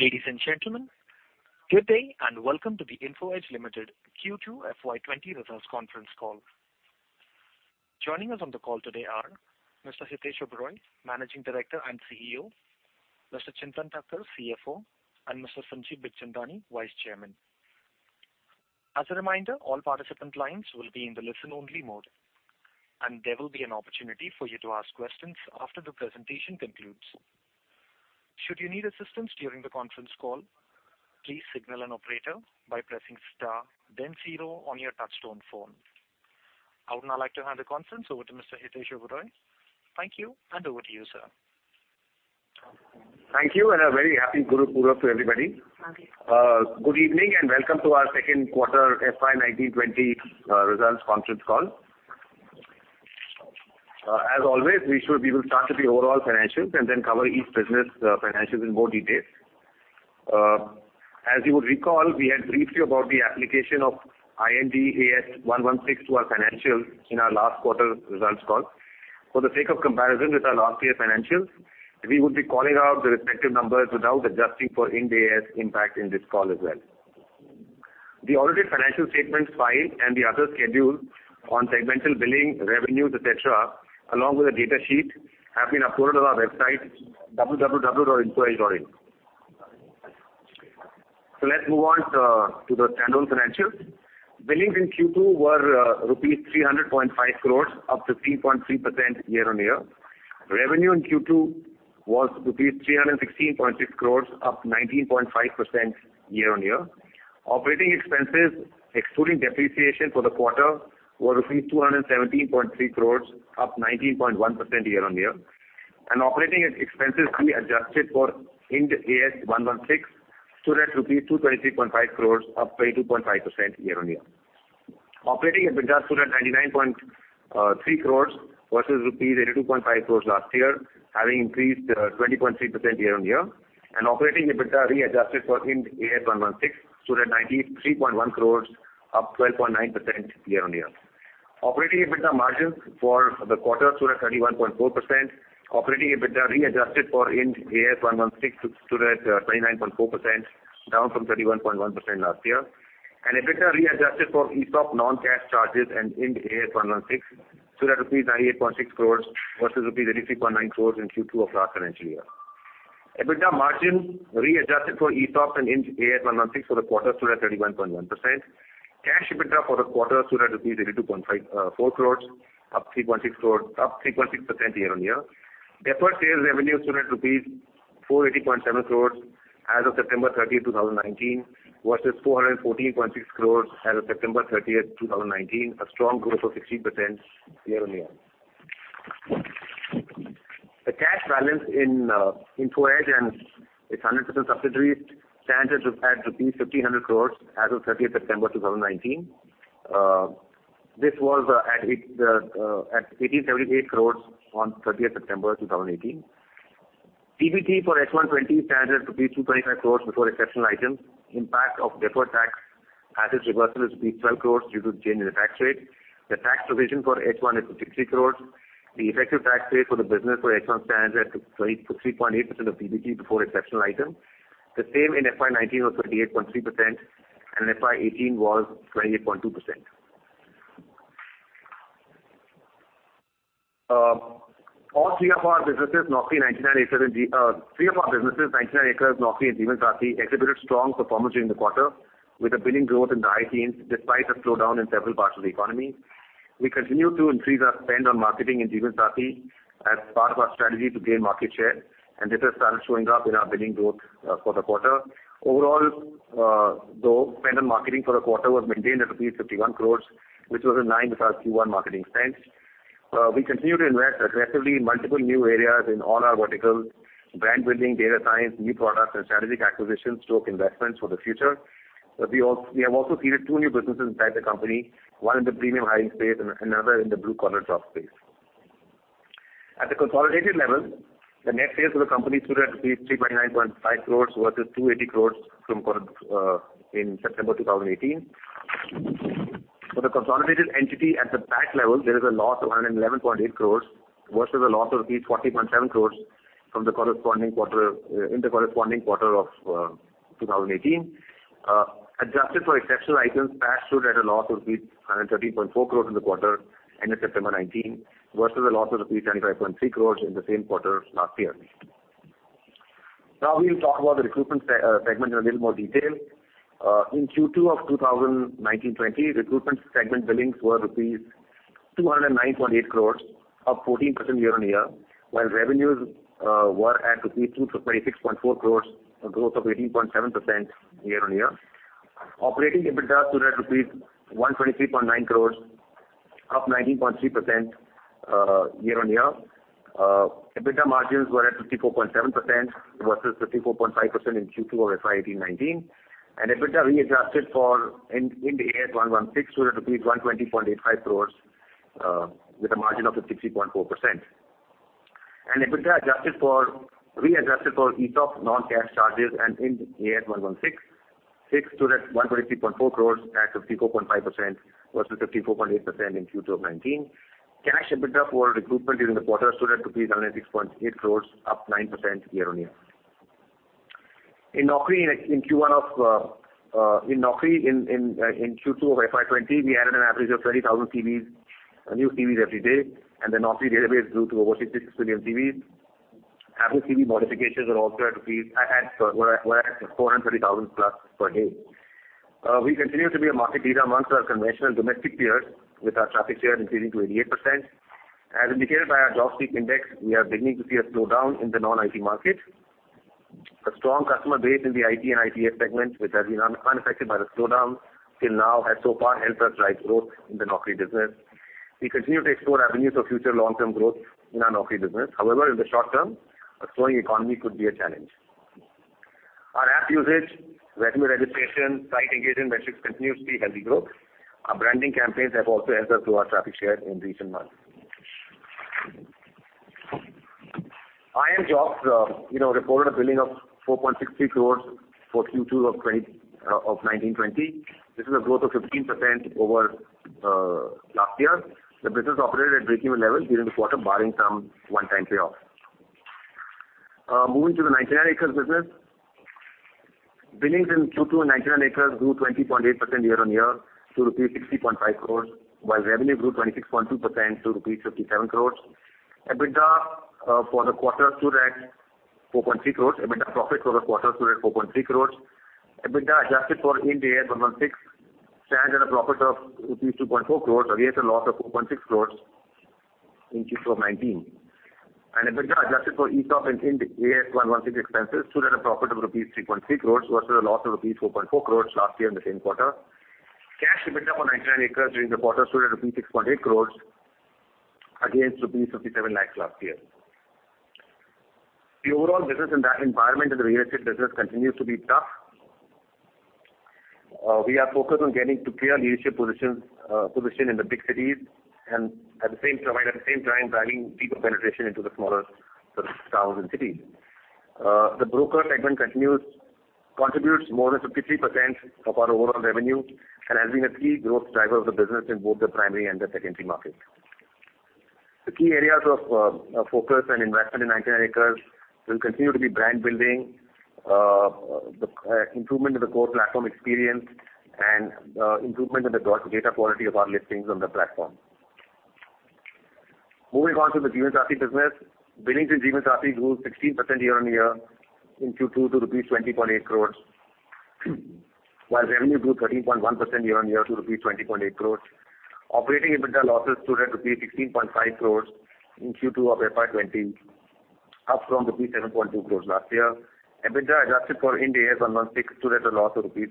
Ladies and gentlemen, good day and welcome to the Info Edge (India) Limited Q2 FY 2020 results conference call. Joining us on the call today are Mr. Hitesh Oberoi, Managing Director and CEO; Mr. Chintan Thakkar, CFO; and Mr. Sanjeev Bikhchandani, Vice Chairman. As a reminder, all participant lines will be in the listen-only mode, and there will be an opportunity for you to ask questions after the presentation concludes. Should you need assistance during the conference call, please signal an operator by pressing star then zero on your touch-tone phone. I would now like to hand the conference over to Mr. Hitesh Oberoi. Thank you. Over to you, sir. Thank you, and a very Happy Guru Purnima to everybody. Good evening, and welcome to our second quarter FY 2019-2020 results conference call. As always, we will start with the overall financials and then cover each business financials in more detail. As you would recall, we had briefed you about the application of Ind AS 116 to our financials in our last quarter results call. For the sake of comparison with our last year financials, we would be calling out the respective numbers without adjusting for Ind AS impact in this call as well. The audited financial statements filed and the other schedules on segmental billing, revenues, et cetera, along with the data sheet, have been uploaded on our website, www.infoedge.in. Let's move on to the standalone financials. Billings in Q2 were rupees 300.5 crores, up 15.3% year-on-year. Revenue in Q2 was rupees 316.6 crores, up 19.5% year-on-year. Operating expenses, excluding depreciation for the quarter, were rupees 217.3 crores, up 19.1% year-on-year, and operating expenses to be adjusted for Ind AS 116 stood at INR 223.5 crores, up 22.5% year-on-year. Operating EBITDA stood at 99.3 crores versus rupees 82.5 crores last year, having increased 20.3% year-on-year, and operating EBITDA readjusted for Ind AS 116 stood at INR 93.1 crores, up 12.9% year-on-year. Operating EBITDA margins for the quarter stood at 31.4%. Operating EBITDA readjusted for Ind AS 116 stood at 29.4%, down from 31.1% last year. EBITDA readjusted for ESOP non-cash charges and Ind AS 116 stood at 98.6 crores rupees versus rupees 83.9 crores in Q2 of last financial year. EBITDA margin readjusted for ESOP and Ind AS 116 for the quarter stood at 31.1%. Cash EBITDA for the quarter stood at 82.4 crores rupees, up 3.6% year-on-year. Deferred sales revenue stood at rupees 480.7 crores as of September 30, 2019, versus 414.6 crores as of September 30, 2018, a strong growth of 16% year-on-year. The cash balance in Info Edge and its 100% subsidiaries stand at rupees 1,500 crores as of 30th September 2019. This was at 1,878 crores on 30th September 2018. PBT for H1 2020 stands at rupees 225 crores before exceptional items. Impact of deferred tax as its reversal is rupees 12 crores due to change in the tax rate. The tax provision for H1 is 63 crores. The effective tax rate for the business for H1 stands at 23.8% of PBT before exceptional items. The same in FY 2019 was 38.3%, and in FY 2018 was 28.2%. All three of our businesses, 99acres, Naukri, and Jeevansathi, exhibited strong performance during the quarter, with a billing growth in the high teens despite a slowdown in several parts of the economy. We continue to increase our spend on marketing in Jeevansathi as part of our strategy to gain market share. It has started showing up in our billing growth for the quarter. Overall, though, spend on marketing for the quarter was maintained at rupees 51 crores, which was in line with Q1 marketing spend. We continue to invest aggressively in multiple new areas in all our verticals, brand building, data science, new products, and strategic acquisitions to make investments for the future. We have also seeded two new businesses inside the company, one in the premium hiring space and another in the blue-collar jobs space. At the consolidated level, the net sales for the company stood at 329.5 crores versus 280 crores in September 2018. For the consolidated entity at the PAT level, there is a loss of 111.8 crores versus a loss of 40.7 crores in the corresponding quarter of 2018. Adjusted for exceptional items, PAT stood at a loss of rupees 113.4 crores in the quarter end of September 2019 versus a loss of rupees 75.3 crores in the same quarter last year. Now we'll talk about the recruitment segment in a little more detail. In Q2 of 2019-2020, recruitment segment billings were rupees 209.8 crores, up 14% year-on-year, while revenues were at rupees 226.4 crores, a growth of 18.7% year-on-year. Operating EBITDA stood at rupees 123.9 crores, up 19.3% year-on-year. EBITDA margins were at 54.7% versus 54.5% in Q2 of FY 2018-2019, and EBITDA readjusted for Ind AS 116 stood at rupees 120.85 crores, with a margin of 60.4%. EBITDA readjusted for ESOP non-cash charges and Ind AS 116 stood at 123.4 crores at 54.5% versus 54.8% in Q2 of 2019. Cash EBITDA for recruitment during the quarter stood at 376.8 crores, up 9% year-on-year. In Naukri, in Q2 of FY 2020, we added an average of 20,000 new CVs every day, and the Naukri database grew to over 66 million CVs. Average CV modifications are also at 430,000+ per day. We continue to be a market leader amongst our conventional domestic peers, with our traffic share increasing to 88%. As indicated by our JobSpeak Index, we are beginning to see a slowdown in the non-IT market. A strong customer base in the IT and ITES segment, which has been unaffected by the slowdown till now, has so far helped us drive growth in the Naukri business. We continue to explore avenues of future long-term growth in our Naukri business. However, in the short term, a slowing economy could be a challenge. Our app usage, resume registration, site engagement metrics continue to see healthy growth. Our branding campaigns have also helped us grow our traffic share in recent months. iimjobs reported a billing of 4.63 crores for Q2 of 2019-2020. This is a growth of 15% over last year. The business operated at breakeven levels during the quarter, barring some one-time payoffs. Moving to the 99acres business. Billings in Q2 on 99acres grew 20.8% year-on-year to rupees 60.5 crores, while revenue grew 26.2% to rupees 57 crores. EBITDA for the quarter stood at 4.3 crores. EBITDA profits for the quarter stood at 4.3 crores. EBITDA adjusted for Ind AS 116 stands at a profit of rupees 2.4 crores against a loss of 4.6 crores in Q2 of 2019. EBITDA adjusted for ESOP and Ind AS 116 expenses stood at a profit of rupees 3.3 crores versus a loss of rupees 4.4 crores last year in the same quarter. Cash EBITDA for 99acres during the quarter stood at 6.8 crores against rupees 57 lakhs last year. The overall business environment in the real estate business continues to be tough. We are focused on getting to clear leadership position in the big cities and at the same time, driving deeper penetration into the smaller towns and cities. The broker segment contributes more than 53% of our overall revenue and has been a key growth driver of the business in both the primary and the secondary markets. The key areas of focus and investment in 99acres will continue to be brand building, the improvement of the core platform experience, and improvement in the data quality of our listings on the platform. Moving on to the Jeevansathi business. Billings in Jeevansathi grew 16% year-on-year in Q2 to rupees 20.8 crores, while revenue grew 13.1% year-on-year to rupees 20.8 crores. Operating EBITDA losses stood at rupees 16.5 crores in Q2 of FY 2020, up from rupees 7.2 crores last year. EBITDA adjusted for Ind AS 116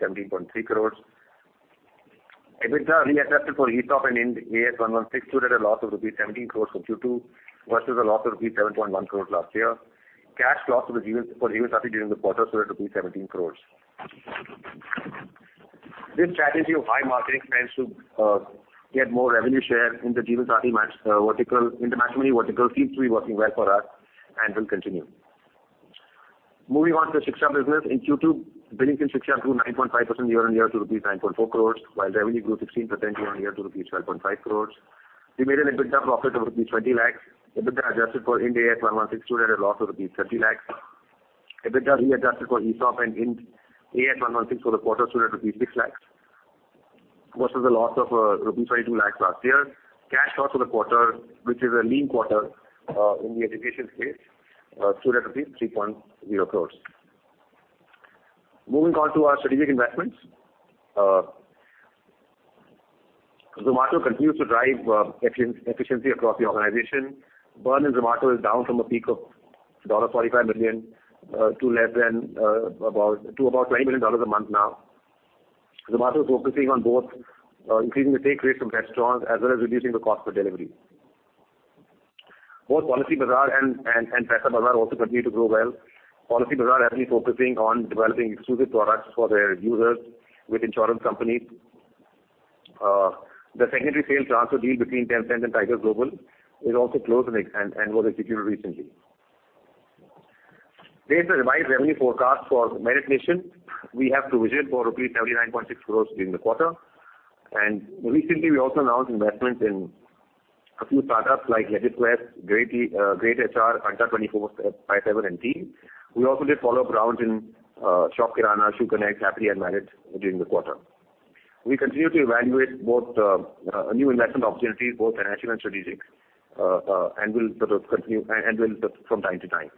stood at a loss of INR 17.3 crores. EBITDA readjusted for ESOP and Ind AS 116 stood at a loss of INR 17 crores for Q2 versus a loss of INR 7.1 crores last year. Cash loss for Jeevansathi during the quarter stood at INR 17 crores. This strategy of high marketing spends to get more revenue share in the Jeevansathi match vertical seems to be working well for us and will continue. Moving on to the Shiksha business. In Q2, billings in Shiksha grew 9.5% year-on-year to rupees 9.4 crores, while revenue grew 16% year-on-year to rupees 12.5 crores. We made an EBITDA profit of rupees 20 lakhs. EBITDA adjusted for Ind AS 116 stood at a loss of rupees 30 lakhs. EBITDA readjusted for ESOP and Ind AS 116 for the quarter stood at rupees 6 lakhs, versus a loss of rupees 22 lakhs last year. Cash loss for the quarter, which is a lean quarter in the education space, stood at rupees 3.0 crores. Moving on to our strategic investments. Zomato continues to drive efficiency across the organization. Burn in Zomato is down from a peak of $45 million to about $20 million a month now. Zomato is focusing on both increasing the take rate from restaurants as well as reducing the cost per delivery. Both Policybazaar and Paisabazaar also continue to grow well. Policybazaar has been focusing on developing exclusive products for their users with insurance companies. The secondary sale transfer deal between Temasek and Tiger Global is also closed and was executed recently. Based on revised revenue forecast for Meritnation, we have provision for rupees 79.6 crore during the quarter. Recently, we also announced investment in a few startups like LegitQuest, GreytHR, Adda247, and TEAL. We also did follow-up rounds in ShopKirana, ShoeKonnect, Happily Unmarried during the quarter. We continue to evaluate both new investment opportunities, both financial and strategic, and will continue from time to time.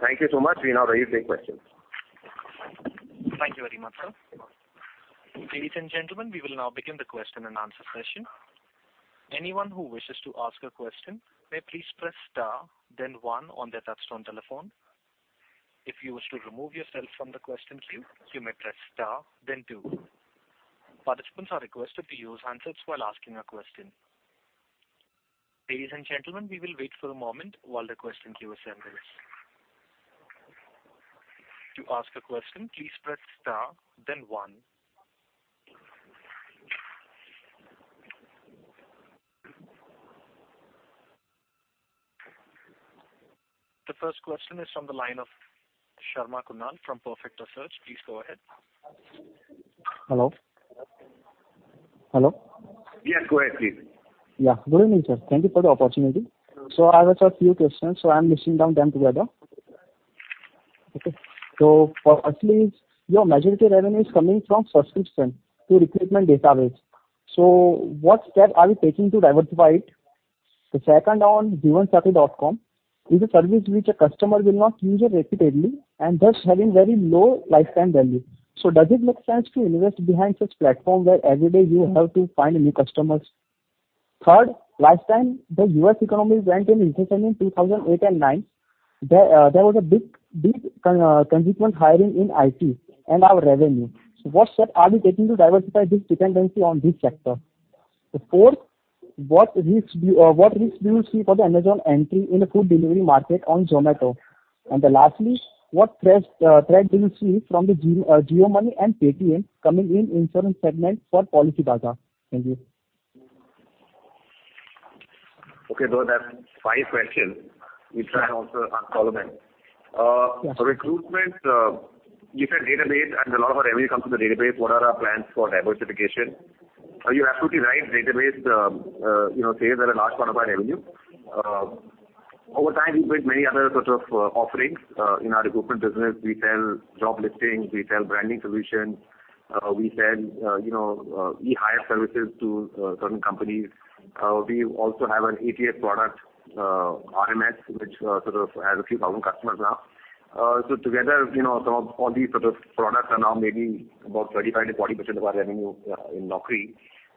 Thank you so much. We are now ready to take questions. Thank you very much, sir. Ladies and gentlemen, we will now begin the question-and-answer session. Anyone who wishes to ask a question may please press star then one on their touch-tone telephone. If you wish to remove yourself from the question queue, you may press star then two. Participants are requested to use handsets while asking a question. Ladies and gentlemen, we will wait for a moment while the question queue assembles. To ask a question, please press star then one. The first question is from the line of Kunal Sharma from Perfect Research. Please go ahead. Hello? Yes, go ahead, please. Good evening, sir. Thank you for the opportunity. I have a few questions, I'm listing down them together. Firstly, your majority revenue is coming from subscription to recruitment database. What steps are you taking to diversify it? Second, on Jeevansathi.com is a service which a customer will not use repeatedly and thus having very low lifetime value. Does it make sense to invest behind such platform where every day you have to find new customers? Third, last time the U.S. economy went in recession in 2008 and 2009, there was a big dip in consequent hiring in IT and our revenue. What steps are you taking to diversify this dependency on this sector? Fourth, what risks do you see for the Amazon entry in the food delivery market on Zomato? Lastly, what threat do you see from JioMoney and Paytm coming in insurance segment for Policybazaar? Thank you. That's five questions. We'll try and answer all of them. Yes. Recruitment, you said database, and a lot of our revenue comes from the database. What are our plans for diversification? You're absolutely right. Database sales are a large part of our revenue. Over time, we built many other sorts of offerings. In our recruitment business, we sell job listings, we sell branding solutions, we sell e-hire services to certain companies. We also have an ATS product, RMS, which sort of has a few thousand customers now. Together, all these sort of products are now maybe about 35%-40% of our revenue in Naukri,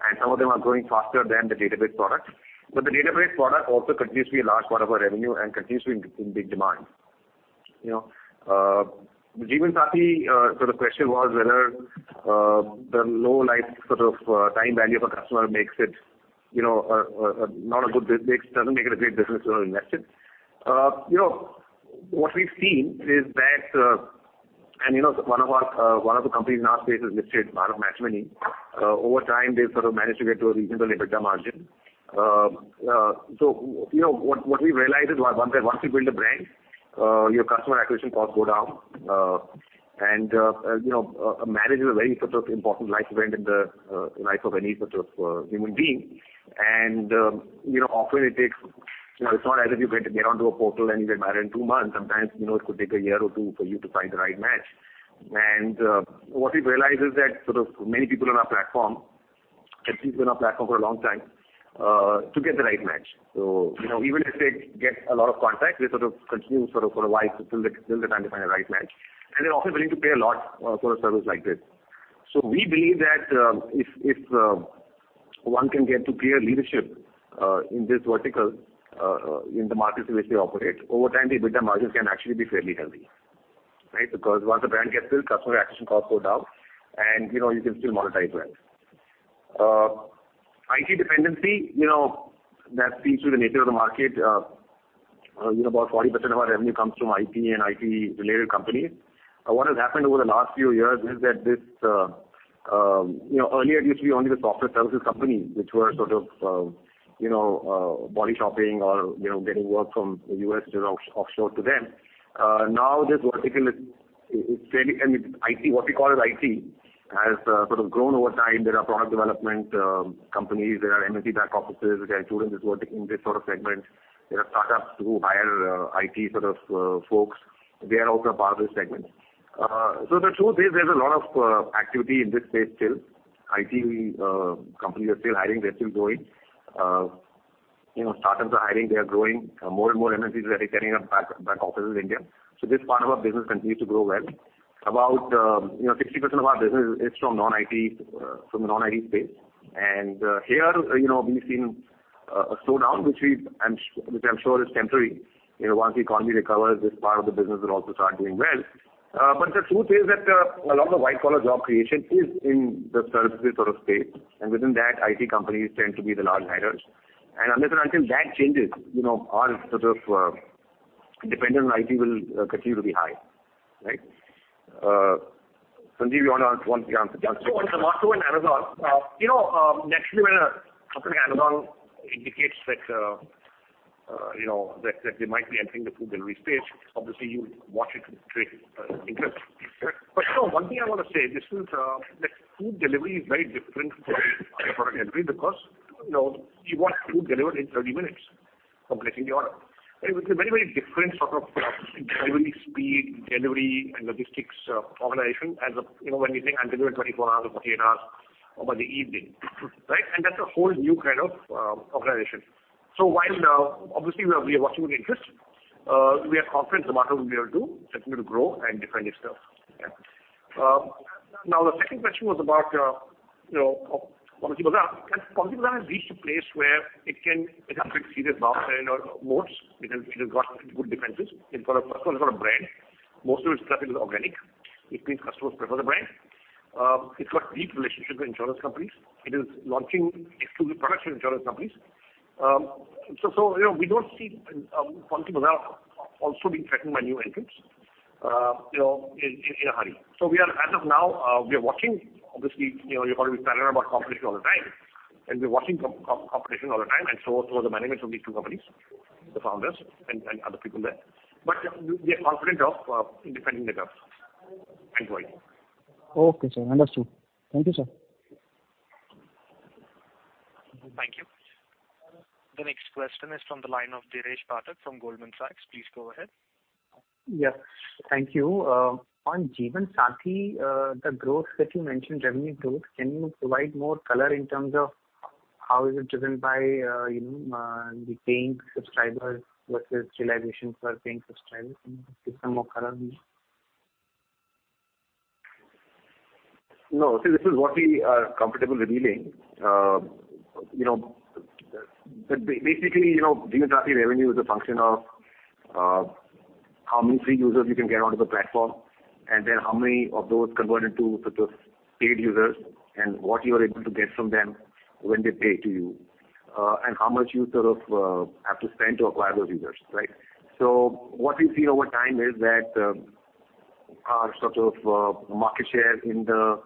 and some of them are growing faster than the database product. The database product also continues to be a large part of our revenue and continues to be in big demand. The Jeevansathi question was whether the low life sort of time value of a customer makes it not a good business, doesn't make it a great business to invest in. And one of the companies in our space is listed, BharatMatrimony. Over time, they've sort of managed to get to a reasonable EBITDA margin. What we've realized is, once you build a brand, your customer acquisition costs go down. A marriage is a very important event in the life of any human being. It's not as if you get onto a portal and you get married in two months. Sometimes, it could take a year or two for you to find the right match. What we've realized is that many people on our platform have been on our platform for a long time to get the right match. Even if they get a lot of contacts, they continue for a while till they can find the right match. They're often willing to pay a lot for a service like this. We believe that if one can get to clear leadership in this vertical, in the markets in which they operate, over time, the EBITDA margins can actually be fairly healthy. Because once the brand gets built, customer acquisition costs go down, and you can still monetize well. IT dependency, that speaks to the nature of the market. About 40% of our revenue comes from IT and IT-related companies. What has happened over the last few years is that earlier it used to be only the software services companies, which were sort of body shopping or getting work from the U.S. which is offshore to them. What we call as IT has sort of grown over time. There are product development companies, there are MNC back offices, which are interested in this sort of segment. There are startups who hire IT sort of folks. They are also a part of this segment. The truth is, there's a lot of activity in this space still. IT companies are still hiring, they're still growing. Startups are hiring, they are growing. More and more MNCs are setting up back offices in India. This part of our business continues to grow well. About 60% of our business is from non-IT space. Here, we've seen a slowdown, which I'm sure is temporary. Once the economy recovers, this part of the business will also start doing well. The truth is that a lot of the white-collar job creation is in the services sort of space. Within that, IT companies tend to be the large hirers. Unless and until that changes, our sort of dependence on IT will continue to be high. Sanjeev, you want to answer the last two? On Zomato and Amazon. One thing I want to say, food delivery is very different from other product delivery because you want food delivered in 30 minutes from placing the order. It's a very, very different sort of speed, delivery, and logistics organization, when you think I can deliver in 24 hours or 48 hours over the evening. That's a whole new kind of organization. While obviously we are watching with interest, we are confident Zomato will be able to continue to grow and defend itself. The second question was about Policybazaar. Policybazaar has reached a place where it has built serious moats. It has got good defenses. First of all, it's got a brand. Most of its traffic is organic. It means customers prefer the brand. It's got deep relationships with insurance companies. It is launching exclusive products with insurance companies. We don't see Policybazaar also being threatened by new entrants in a hurry. As of now, we are watching. Obviously, you're probably paranoid about competition all the time, and we're watching competition all the time, and so are the managements of these two companies, the founders, and other people there. We are confident of defending the turf and growing. Understood. Thank you, sir. Thank you. The next question is from the line of Dheeresh Pathak from Goldman Sachs. Please go ahead. Thank you. On Jeevansathi, the growth that you mentioned, revenue growth, can you provide more color in terms of how is it driven by the paying subscribers versus realization for paying subscribers? Can you give some more color here? See, this is what we are comfortable revealing. Basically, Jeevansathi revenue is a function of how many free users you can get onto the platform, and then how many of those converted to such as paid users, and what you're able to get from them when they pay to you, and how much you sort of have to spend to acquire those users. What we've seen over time is that our sort of market share in the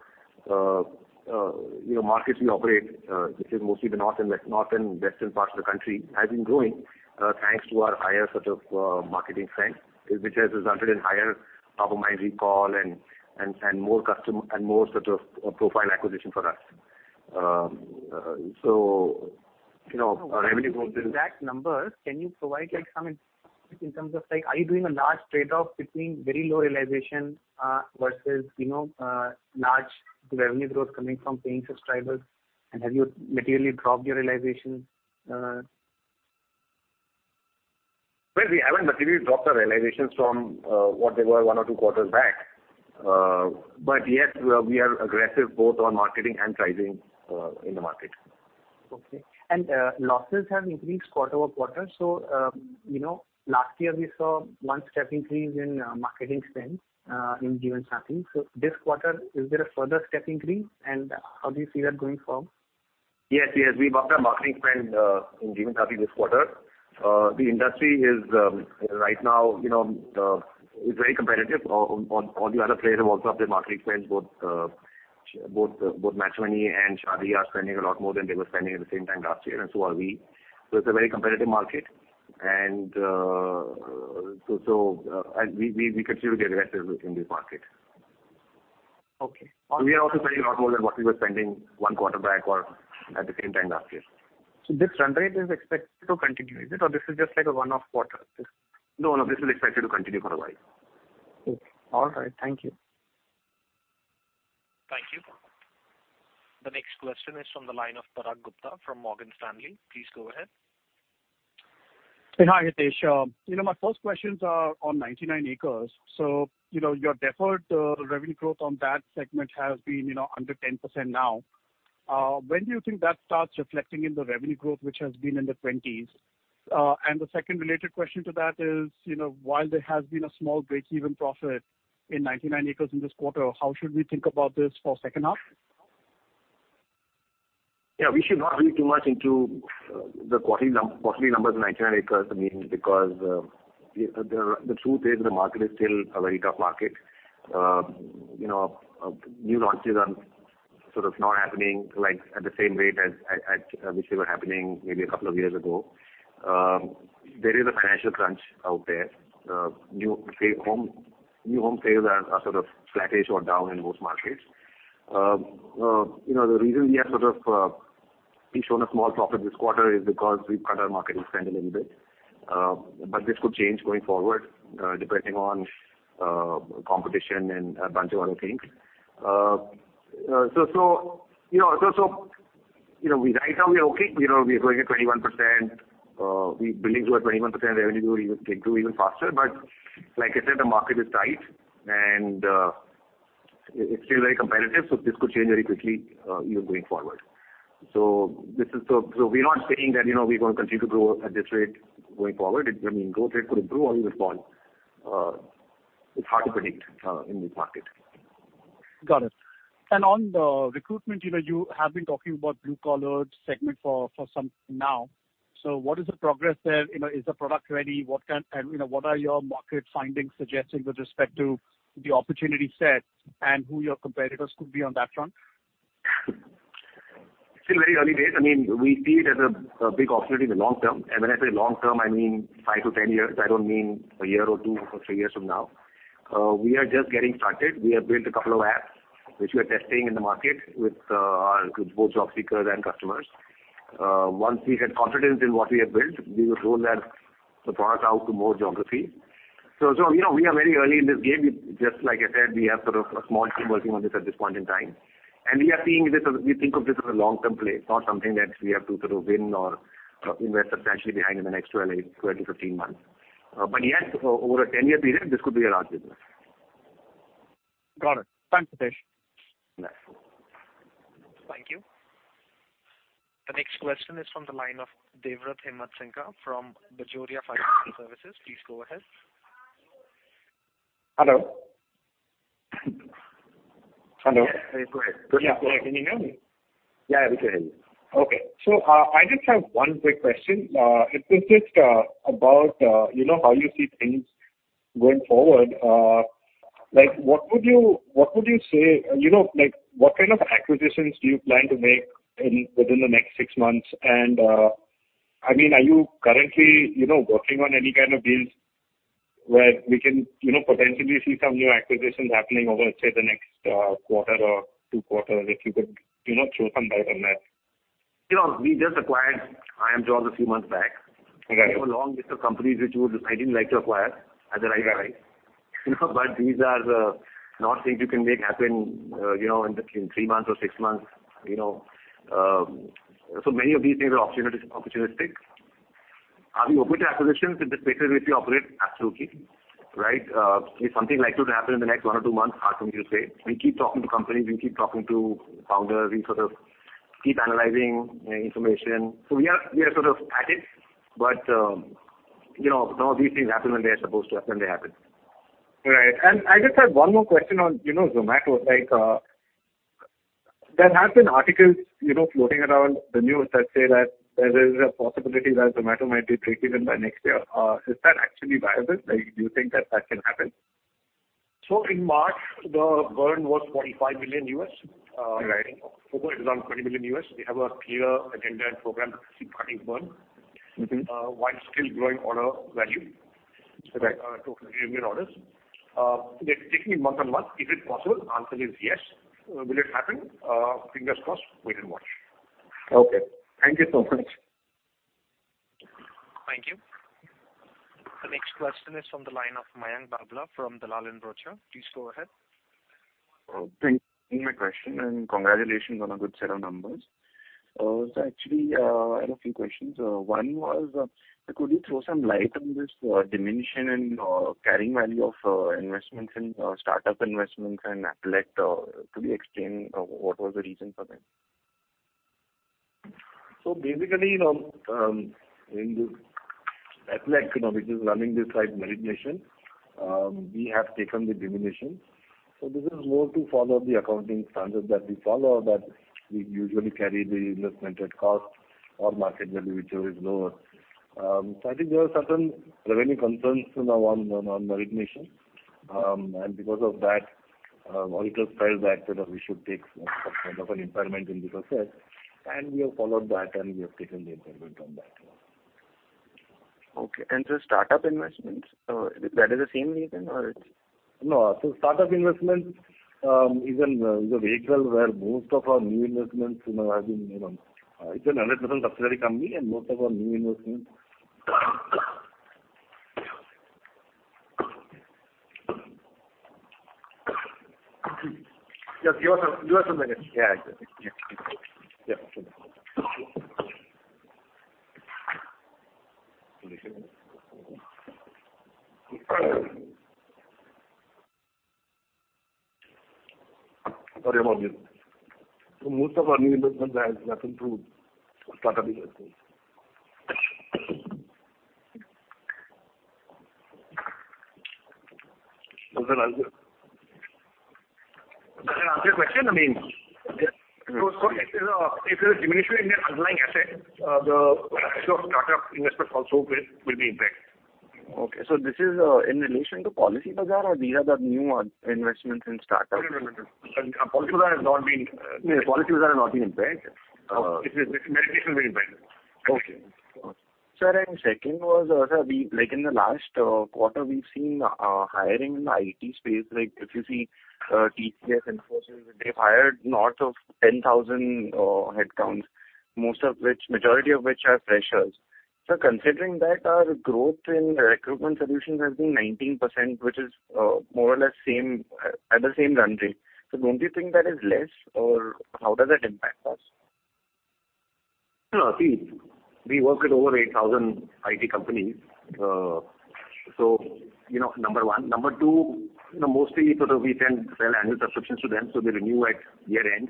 markets we operate, which is mostly the northern, western parts of the country, has been growing, thanks to our higher sort of marketing spend, which has resulted in higher top-of-mind recall and more sort of profile acquisition for us. Our revenue growth is- That number, can you provide some insight? Are you doing a large trade-off between very low realization versus large revenue growth coming from paying subscribers? Have you materially dropped your realization? Well, we haven't materially dropped our realizations from what they were one or two quarters back. But, yes, we are aggressive both on marketing and pricing in the market. Losses have increased quarter-over-quarter. Last year we saw one step increase in marketing spend in Jeevansathi. This quarter, is there a further step increase, and how do you see that going forward? Yes, we bumped our marketing spend in Jeevansathi this quarter. The industry, right now, is very competitive. All the other players have also upped their marketing spend, both BharatMatrimony and Shaadi are spending a lot more than they were spending at the same time last year, and so are we. It's a very competitive market, and so we continue to get aggressive in this market. We are also spending a lot more than what we were spending one quarter back, or at the same time last year. This run rate is expected to continue, is it, or this is just like a one-off quarter? No, this is expected to continue for a while. All right. Thank you. Thank you. The next question is from the line of Parag Gupta from Morgan Stanley. Please go ahead. Hi, Hitesh. My first questions are on 99acres. Your deferred revenue growth on that segment has been under 10% now. When do you think that starts reflecting in the revenue growth, which has been in the 20% range? The second related question to that is, while there has been a small breakeven profit in 99acres in this quarter, how should we think about this for second half? We should not read too much into the quarterly numbers in 99acres, because the truth is the market is still a very tough market. New launches are sort of not happening at the same rate as which they were happening maybe a couple of years ago. There is a financial crunch out there. New home sales are sort of flattish or down in most markets. The reason we have shown a small profit this quarter is because we've cut our marketing spend a little bit. This could change going forward, depending on competition and a bunch of other things. Right now we are okay. Billings were 21%, revenue grew even faster, but like I said, the market is tight and it's still very competitive, this could change very quickly even going forward. We're not saying that we're going to continue to grow at this rate going forward. Growth rate could improve or it could fall. It's hard to predict in this market. Got it. On the recruitment, you have been talking about blue-collar segment for some time now. What is the progress there? Is the product ready? What are your market findings suggesting with respect to the opportunity set and who your competitors could be on that front? Still very early days. We see it as a big opportunity in the long term. When I say long term, I mean 5 to 10 years. I don't mean a year or two or three years from now. We are just getting started. We have built a couple of apps which we are testing in the market with both job seekers and customers. Once we have confidence in what we have built, we will roll the products out to more geography. We are very early in this game. Just like I said, we have sort of a small team working on this at this point in time. We think of this as a long-term play, it's not something that we have to sort of win or invest substantially behind in the next 12 to 15 months. But, yes, over a 10-year period, this could be a large business. Got it. Thanks, Hitesh. Thank you. The next question is from the line of Devvrat Himatsingka from Bajoria Financial Services. Please go ahead. Hello. Hello. Can you hear me? Yeah, we can hear you. I just have one quick question. It's just about how you see things going forward. What kind of acquisitions do you plan to make within the next six months? Are you currently working on any kind of deals where we can potentially see some new acquisitions happening over, say, the next quarter or two quarters? If you could shed some light on that. We just acquired iimjobs a few months back. We have a long list of companies which I didn't like to acquire at the right price. These are not things you can make happen in three months or six months. Many of these things are opportunistic. Are we open to acquisitions in the spaces which we operate? Absolutely. Is something likely to happen in the next one or two months? It's hard for me to say. We keep talking to companies. We keep talking to founders. We sort of keep analyzing information. We are sort of at it, but some of these things happen. When they are supposed to happen, they happen. Right. I just had one more question on Zomato. There have been articles floating around the news that say that there is a possibility that Zomato might be breakeven by next year. Is that actually viable? Do you think that that can happen? In March, the burn was $45 million. October, it was around $20 million. We have a clear agenda and program of cutting burn while still growing order value, total in orders. We are taking in month-on-month. Is it possible? Answer is yes. Will it happen? Fingers crossed. Wait and watch. Thank you so much. Thank you. The next question is from the line of Mayank Babla from Dalal & Broacha. Please go ahead. Thank you for taking my question, and congratulations on a good set of numbers. Actually, I had a few questions. One was, could you throw some light on this diminution in carrying value of investment in Startup Investments in Applect? Could you explain what was the reason for that? Basically, in this Applect, which is running this like Meritnation, we have taken the diminution. This is more to follow the accounting standard that we follow, that we usually carry the investment at cost or market value, whichever is lower. I think there were certain prevailing concerns on Meritnation, and because of that, auditors felt that we should take some kind of an impairment in the process. We have followed that, and we have taken the impairment on that one. The Startup Investments, that is the same reason? No. Startup Investments is a vehicle where most of our new investments have been made, and it's a 100% subsidiary company. And most of—Give us a minute. Sorry about this. Most of our new investments have gone through Startup Investments. Does that answer your question? If there's a diminution in the underlying asset, the value of Startup Investments also will be impacted. This is in relation to Policybazaar, or these are the new investments in Startup? No. Policybazaar has not been impaired. Policybazaar not been impact? It is Meritnation impaired. Second was, sir, in the last quarter, we've seen hiring in the IT space. If you see TCS, Infosys, they've hired north of 10,000 headcounts, majority of which are freshers. Sir, considering that our growth in recruitment solutions has been 19%, which is more or less at the same run rate, don't you think that is less, or how does that impact us? See, we work with over 8,000 IT companies, number one. Number two, mostly, we sell annual subscriptions to them, they renew at year-end.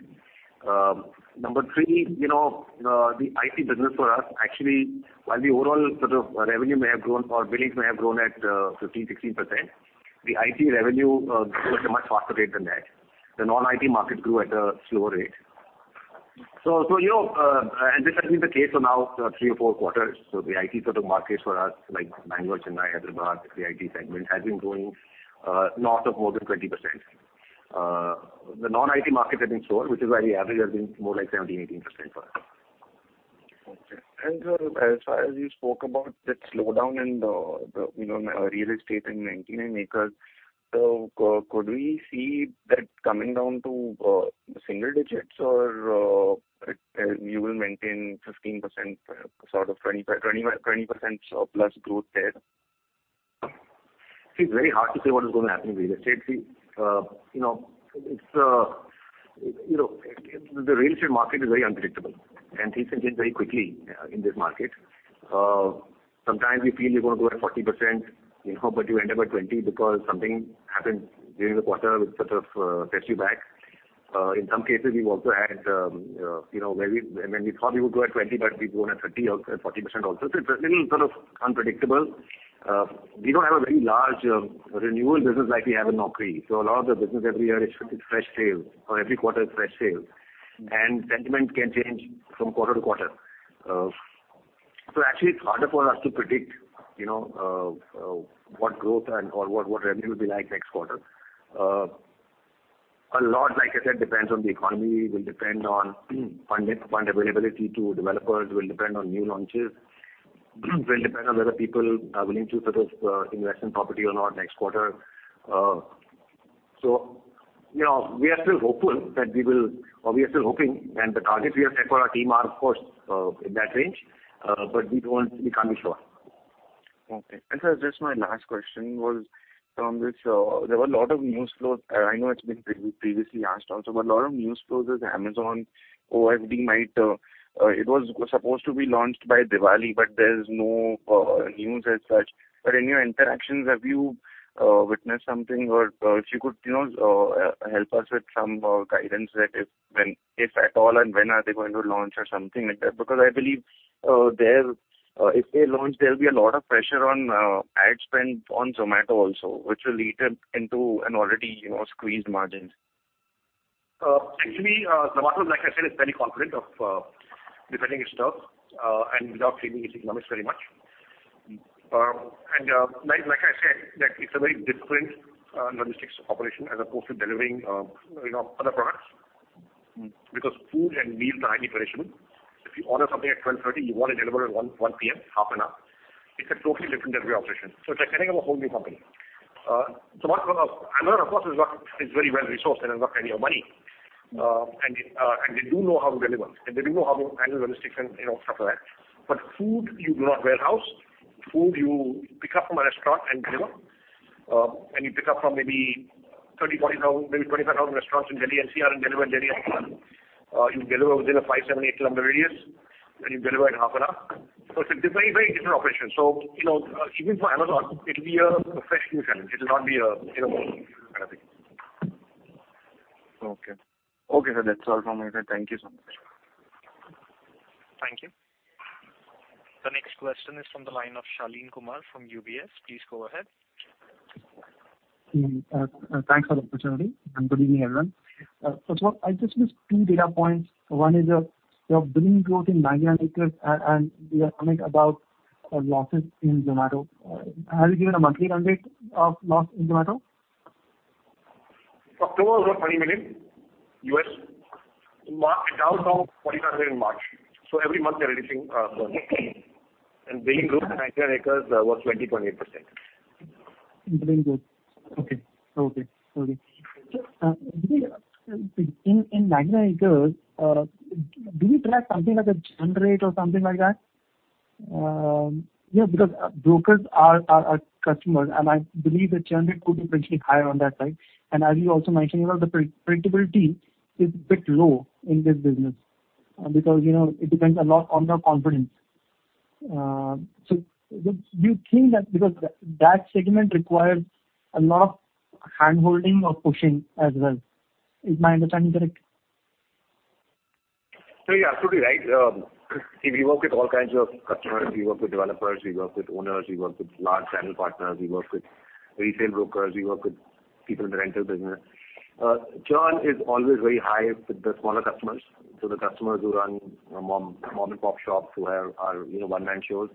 Number three, the IT business for us, actually, while the overall revenue may have grown, or billings may have grown at 15%-16%, the IT revenue grew at a much faster rate than that. The non-IT market grew at a slower rate. This has been the case for now three or four quarters. The IT market for us, like Bangalore, Chennai, Hyderabad, the IT segment has been growing north of more than 20%. The non-IT markets have been slower, which is why the average has been more like 17%-18% for us. Sir, as far as you spoke about that slowdown in the real estate in 99acres, could we see that coming down to single-digits, or you will maintain 15%, sort of 20%+ growth there? It's very hard to say what is going to happen in real estate. The real estate market is very unpredictable, and things change very quickly in this market. Sometimes we feel we're going to grow at 40%, but you end up at 20% because something happened during the quarter which sort of sets you back. In some cases, we've also had where we thought we would grow at 20%, but we've grown at 30% or 40% also. It's a little sort of unpredictable. We don't have a very large renewal business like we have in Naukri. A lot of the business every year is fresh sales or every quarter is fresh sales, and sentiment can change from quarter to quarter. Actually, it's harder for us to predict what growth or what revenue will be like next quarter. A lot, like I said, depends on the economy, will depend on fund availability to developers, will depend on new launches, will depend on whether people are willing to invest in property or not next quarter. We are still hoping, and the targets we have set for our team are, of course, in that range. We can't be sure. Sir, just my last question, there were a lot of news flows. I know it's been previously asked also, but a lot of news flows as Amazon OFD, it was supposed to be launched by Diwali, but there's no news as such. In your interactions, have you witnessed something? If you could help us with some guidance that if at all, and when are they going to launch or something like that? I believe if they launch, there'll be a lot of pressure on ad spend on Zomato also, which will eat into an already squeezed margin. Actually, Zomato, like I said, is very confident of defending its turf without changing its economics very much. Like I said, that it's a very different logistics operation as opposed to delivering other products because food and meals are highly perishable. If you order something at 12:30 P.M., you want it delivered at 1:00 P.M., half an hour. It's a totally different delivery operation. It's like setting up a whole new company. Amazon, of course, is very well-resourced and has got plenty of money. They do know how to deliver, and they do know how to handle logistics and stuff like that. Food, you do not warehouse. Food, you pick up from a restaurant and deliver, and you pick up from maybe 30,000, 40,000, maybe 25,000 restaurants in Delhi NCR and deliver in Delhi alone. You deliver within a 5-km, 7-km, 8-km radius, and you deliver in half an hour. It's a very, very different operation. Even for Amazon, it'll be a fresh new challenge. It will not be an easy thing. That's all from my side. Thank you so much. Thank you. The next question is from the line of Shaleen Kumar from UBS. Please go ahead. Thanks for the opportunity. Good evening, everyone. First of all, I just missed two data points. One is your billing growth in 99acres and your comment about losses in Zomato. Have you given a monthly run rate of loss in Zomato? October was $20 million. It's down from $45 million in March. Every month they're reducing slowly. Billing growth in 99acres was 20.8%. In 99acres, do you track something like a churn rate or something like that? Because brokers are our customers, and I believe the churn rate could be potentially higher on that side. As you also mentioned, the predictability is a bit low in this business because it depends a lot on the confidence. Do you think that because that segment requires a lot of hand-holding or pushing as well? Is my understanding correct? You're absolutely right. We work with all kinds of customers. We work with developers, we work with owners, we work with large channel partners, we work with retail brokers, we work with people in the rental business. Churn is always very high with the smaller customers. The customers who run mom-and-pop shops, who are one-man shows.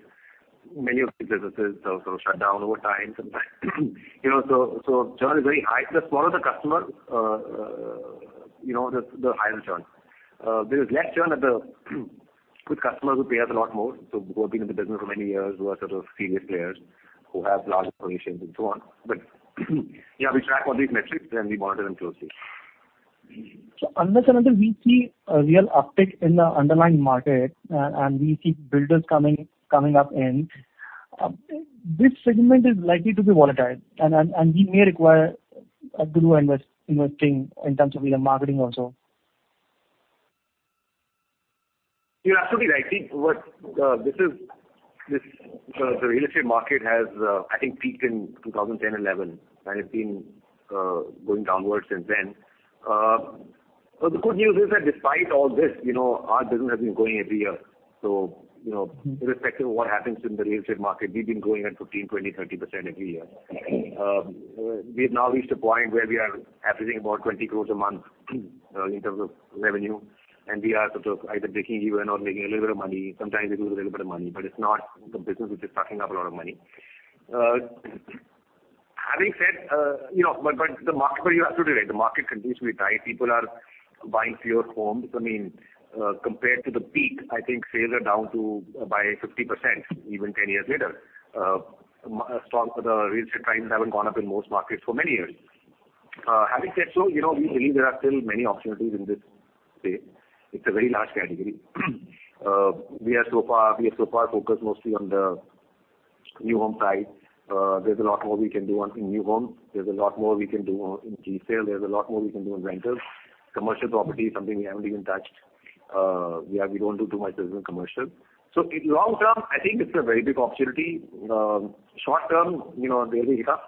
Many of these businesses sort of shut down over time sometimes. Churn is very high. The smaller the customer the higher the churn. There is less churn with customers who pay us a lot more, who have been in the business for many years, who are sort of serious players, who have large operations and so on. We track all these metrics, and we monitor them closely. Unless and until we see a real uptick in the underlying market and we see builders coming up in, this segment is likely to be volatile, and we may require a good investing in terms of real marketing also. You're absolutely right. The real estate market has, I think, peaked in 2010 and 2011, and it's been going downward since then. The good news is that despite all this, our business has been growing every year. Irrespective of what happens in the real estate market, we've been growing at 15%, 20%, 30% every year. We've now reached a point where we are averaging about 20 crores a month in terms of revenue, and we are sort of either breaking even or making a little bit of money. Sometimes we lose a little bit of money, but it's not the business which is sucking up a lot of money. You're absolutely right, the market conditions remain tight. People are buying fewer homes. Compared to the peak, I think sales are down by 50%, even 10 years later. Real estate prices haven't gone up in most markets for many years. Having said so, we believe there are still many opportunities in this space. It's a very large category. We are so far focused mostly on the new home side. There's a lot more we can do on new homes. There's a lot more we can do in resale. There's a lot more we can do in rentals. Commercial property is something we haven't even touched. We don't do too much business in commercial. Long term, I think it's a very big opportunity. Short term, there'll be hiccups.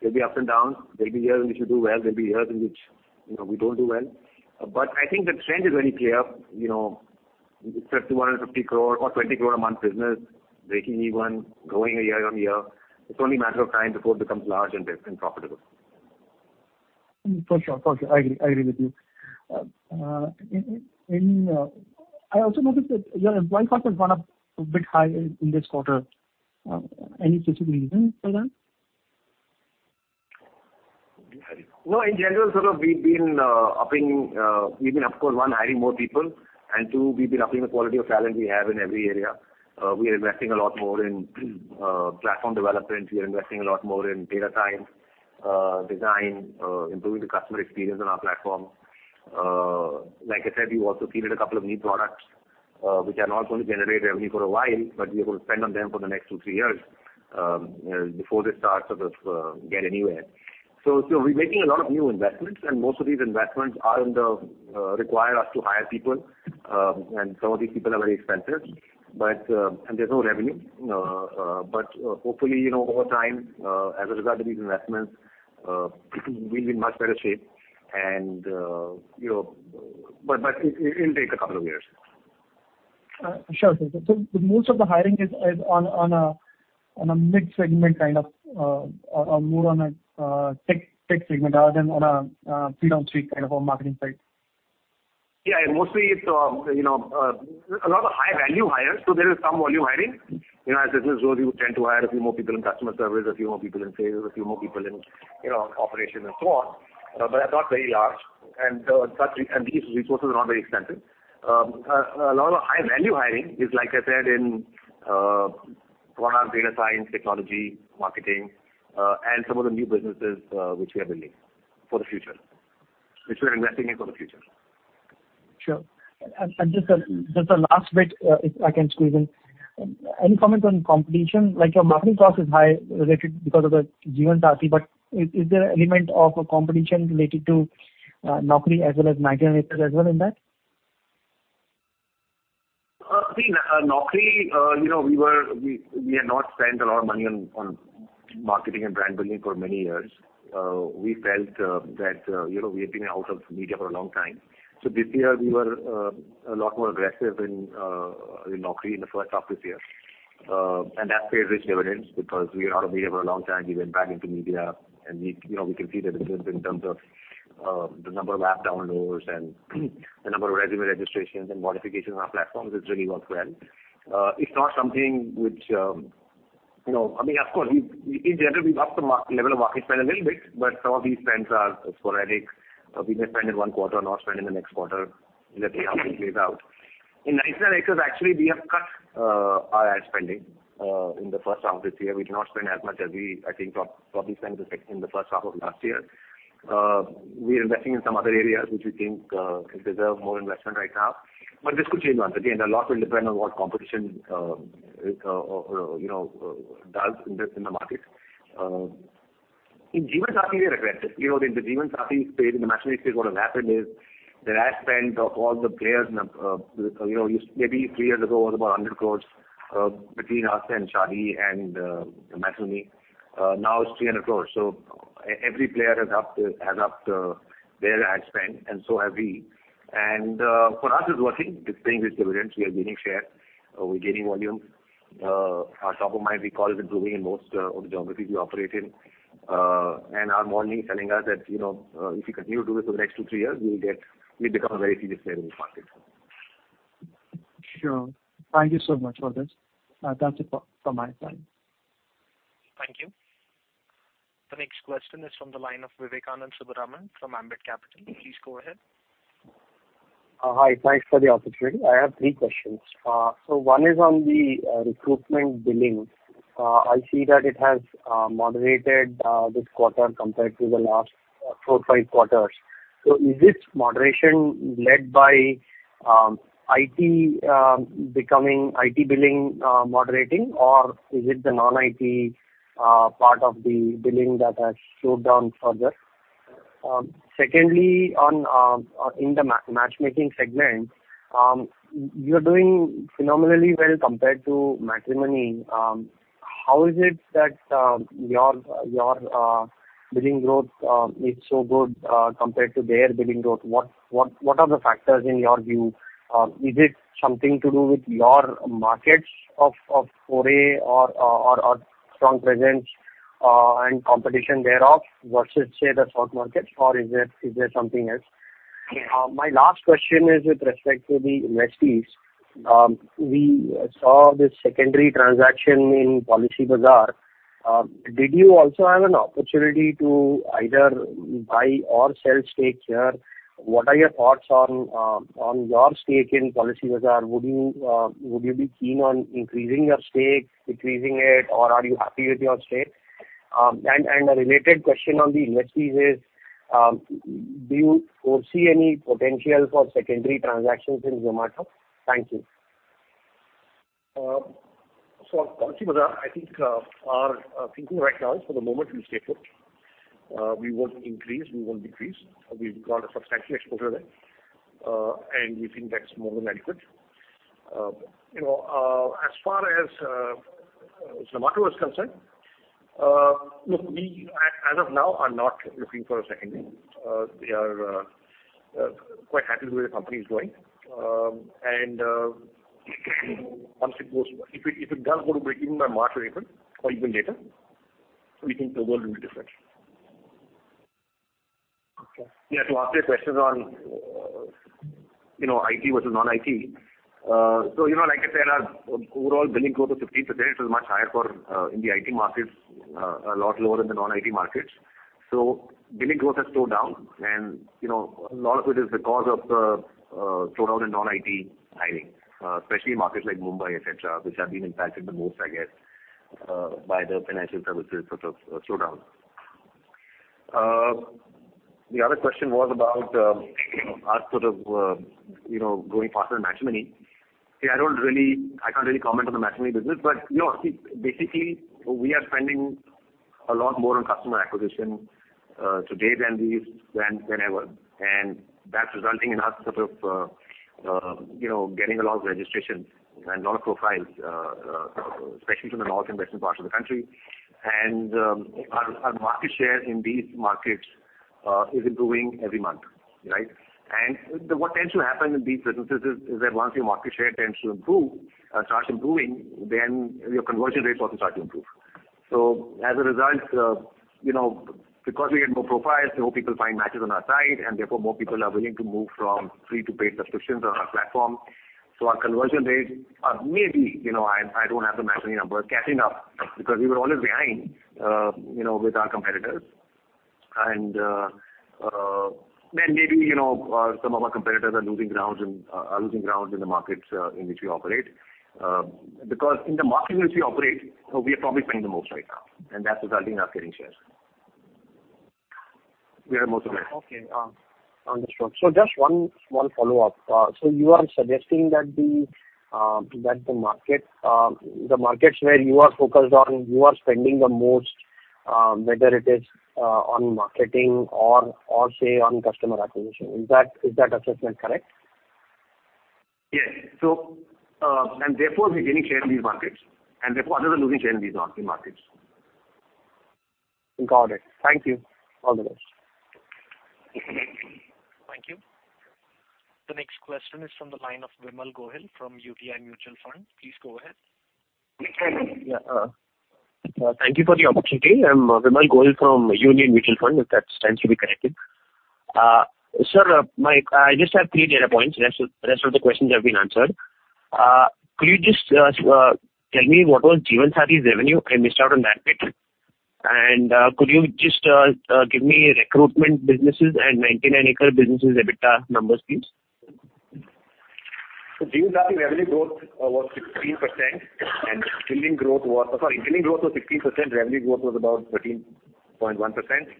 There'll be ups and downs. There'll be years in which we do well, there'll be years in which we don't do well. I think the trend is very clear. It's 20 crore a month business, breaking even, growing year-on-year. It's only a matter of time before it becomes large and profitable. For sure. I agree with you. I also noticed that your employee cost has gone up a bit high in this quarter. Any specific reason for that? In general, we've been, of course, one, hiring more people, and two, we've been upping the quality of talent we have in every area. We are investing a lot more in platform development. We are investing a lot more in data science, design, improving the customer experience on our platform. Like I said, we've also seeded a couple of new products, which are not going to generate revenue for a while, but we are going to spend on them for the next two, three years before they start to get anywhere. We're making a lot of new investments, and most of these investments require us to hire people, and some of these people are very expensive, and there's no revenue. Hopefully, over time, as a result of these investments, we'll be in much better shape. It'll take a couple of years. Sure. Most of the hiring is more on a tech segment rather than on a feet-on-street kind of a marketing side. Mostly a lot of high-value hires. There is some volume hiring. As business grows, you tend to hire a few more people in customer service, a few more people in sales, a few more people in operations, and so on. They're not very large, and these resources are not very expensive. A lot of our high-value hiring is, like I said, in product data science, technology, marketing, and some of the new businesses which we are building for the future, which we're investing in for the future. Sure. Just a last bit, if I can squeeze in. Any comment on competition? Your marketing cost is high because of Jeevansathi, but is there an element of competition related to Naukri as well as 99acres in that? See, Naukri, we had not spent a lot of money on marketing and brand building for many years. We felt that we had been out of media for a long time. This year, we were a lot more aggressive in Naukri in the first half of this year. That paid rich dividends because we were out of media for a long time. We went back into media, and we can see the difference in terms of the number of app downloads and the number of resume registrations and modifications on our platforms. It's really worked well. Of course, in general, we've upped the level of market spend a little bit, but some of these spends are sporadic. We may spend in one quarter, not spend in the next quarter. Let's see how it plays out. In 99acres, actually, we have cut our ad spending in the first half of this year. We've not spent as much as we, I think, probably spent in the first half of last year. We are investing in some other areas which we think deserve more investment right now. This could change once again. A lot will depend on what competition does in the market. In Jeevansathi, we are aggressive. In the Jeevansathi space, in the Matrimony space, what has happened is the ad spend of all the players, maybe three years ago, was about 100 crores between us and Shaadi and Matrimony. Now, it's 300 crores. Every player has upped their ad spend, and so have we. For us, it's working. It's paying rich dividends. We are gaining share. We're gaining volume. Our top of mind recall is improving in most of the geographies we operate in. Our modeling is telling us that if we continue to do this for the next two, three years, we'll become a very serious player in this market. Sure. Thank you so much for this. That's it from my side. Thank you. The next question is from the line of Vivekanand Subbaraman from Ambit Capital. Please go ahead. Hi. Thanks for the opportunity. I have three questions. One is on the recruitment billing. I see that it has moderated this quarter compared to the last four, five quarters. Is this moderation led by IT billing moderating, or is it the non-IT part of the billing that has slowed down further? Secondly, in the matchmaking segment, you're doing phenomenally well compared to Matrimony. How is it that your billing growth is so good compared to their billing growth? What are the factors in your view? Is it something to do with your markets foray or strong presence and competition thereof versus, say, the south markets, or is there something else? My last question is with respect to the investees. We saw this secondary transaction in Policybazaar. Did you also have an opportunity to either buy or sell stakes here? What are your thoughts on your stake in Policybazaar? Would you be keen on increasing your stake, decreasing it, or are you happy with your stake? A related question on the investees is, do you foresee any potential for secondary transactions in Zomato? Thank you. On Policybazaar, I think our thinking right now is for the moment we stay put. We won't increase, we won't decrease. We've got a substantial exposure there, and we think that's more than adequate. As far as Zomato is concerned, we, as of now, are not looking for a second IPO. We are quite happy with the way the company is going. If it does go to breakeven by March or April, or even later, we think the world will be different. To answer your questions on IT versus non-IT. Like I said, our overall billing growth of 15%, it was much higher in the IT markets, a lot lower in the non-IT markets. Billing growth has slowed down, and a lot of it is because of the slowdown in non-IT hiring, especially in markets like Mumbai, et cetera, which have been impacted the most, I guess, by the financial services sort of slowdown. The other question was about us sort of growing faster than Matrimony. I cannot really comment on the Matrimony business. Basically, we are spending a lot more on customer acquisition today than ever. That's resulting in us sort of getting a lot of registrations and a lot of profiles, especially from the north and western parts of the country. Our market share in these markets is improving every month. What tends to happen in these businesses is that once your market share starts improving, then your conversion rate also starts to improve. As a result, because we have more profiles, more people find matches on our site, and therefore, more people are willing to move from free to paid subscriptions on our platform. Our conversion rates are maybe—I don't have the Matrimony numbers—catching up, because we were always behind with our competitors. Maybe some of our competitors are losing ground in the markets in which we operate. In the markets which we operate, we are probably spending the most right now, and that's resulting in us gaining shares. We are the most aggressive. Understood. Just one small follow-up. You are suggesting that the markets where you are focused on, you are spending the most, whether it is on marketing or, say, on customer acquisition. Is that assessment correct? Yes. Therefore, we're gaining share in these markets. Therefore, others are losing share in these markets. Got it. Thank you. All the best. Thank you. The next question is from the line of Vimal Gohil from Union Mutual Fund. Please go ahead. Thank you for the opportunity. I'm Vimal Gohil from Union Mutual Fund, if that stands to be corrected. Sir, I just have three data points. Rest of the questions have been answered. Could you just tell me what was Jeevansathi's revenue? I missed out on that bit. Could you just give me recruitment business' and 99acres business' EBITDA numbers, please? Jeevansathi billing growth was 16%, revenue growth was about 13.1%.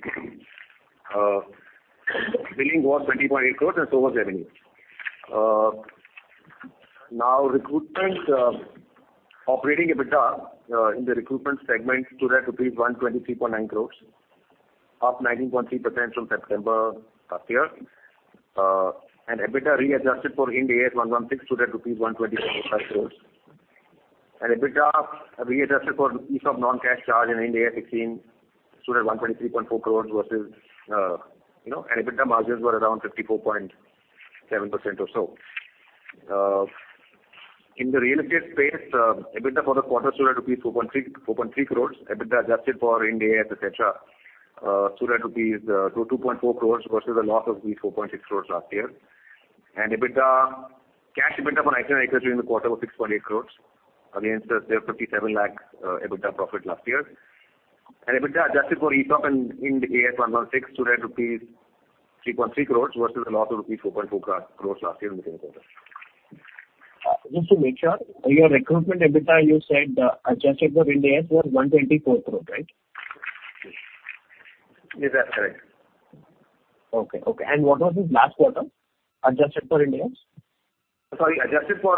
Billing was 20.8 crores, so was revenue. Operating EBITDA in the recruitment segment stood at rupees 123.9 crores, up 19.3% from September last year. EBITDA readjusted for Ind AS 116 stood at INR 120.85 crores. EBITDA readjusted for the lease of non-cash charge in Ind AS 116 stood at 123.4 crores. EBITDA margins were around 54.7% or so. In the real estate space, EBITDA for the quarter stood at rupees 4.3 crores. EBITDA adjusted for Ind AS, et cetera, stood at rupees 22.4 crores versus a loss of 4.6 crores last year. Cash EBITDA for 99acres during the quarter was 6.8 crores against 57 lakh EBITDA profit last year. EBITDA adjusted for ESOP and Ind AS 116 stood at rupees 3.3 crore versus a loss of rupees 4.4 crore last year in the same quarter. Just to make sure, your recruitment EBITDA, you said, adjusted for Ind AS was 124 crores, right? Yes, that's correct. What was it last quarter, adjusted for Ind AS? Sorry, adjusted for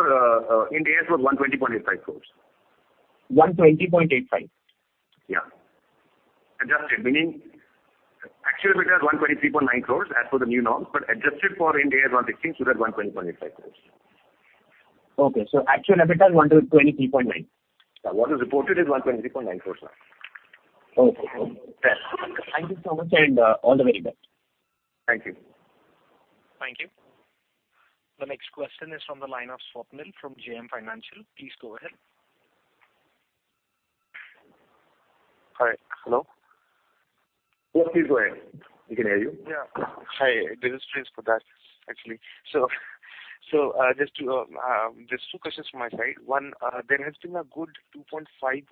Ind AS was 120.85 crores. 120.85 crores? Yeah. Adjusted, meaning actual EBITDA is 123.9 crores as per the new norms, but adjusted for Ind AS 116, stood at 120.85 crores. Actual EBITDA is 123.9 crores? What is reported is 123.9 crores. Thank you so much, and all the very best. Thank you. Thank you. The next question is from the line of Swapnil from JM Financial. Please go ahead. Hi. Hello? Yes, please go ahead. We can hear you. Hi, this is Prince Poddar, actually. Just two questions from my side. One, there has been a good 2.5%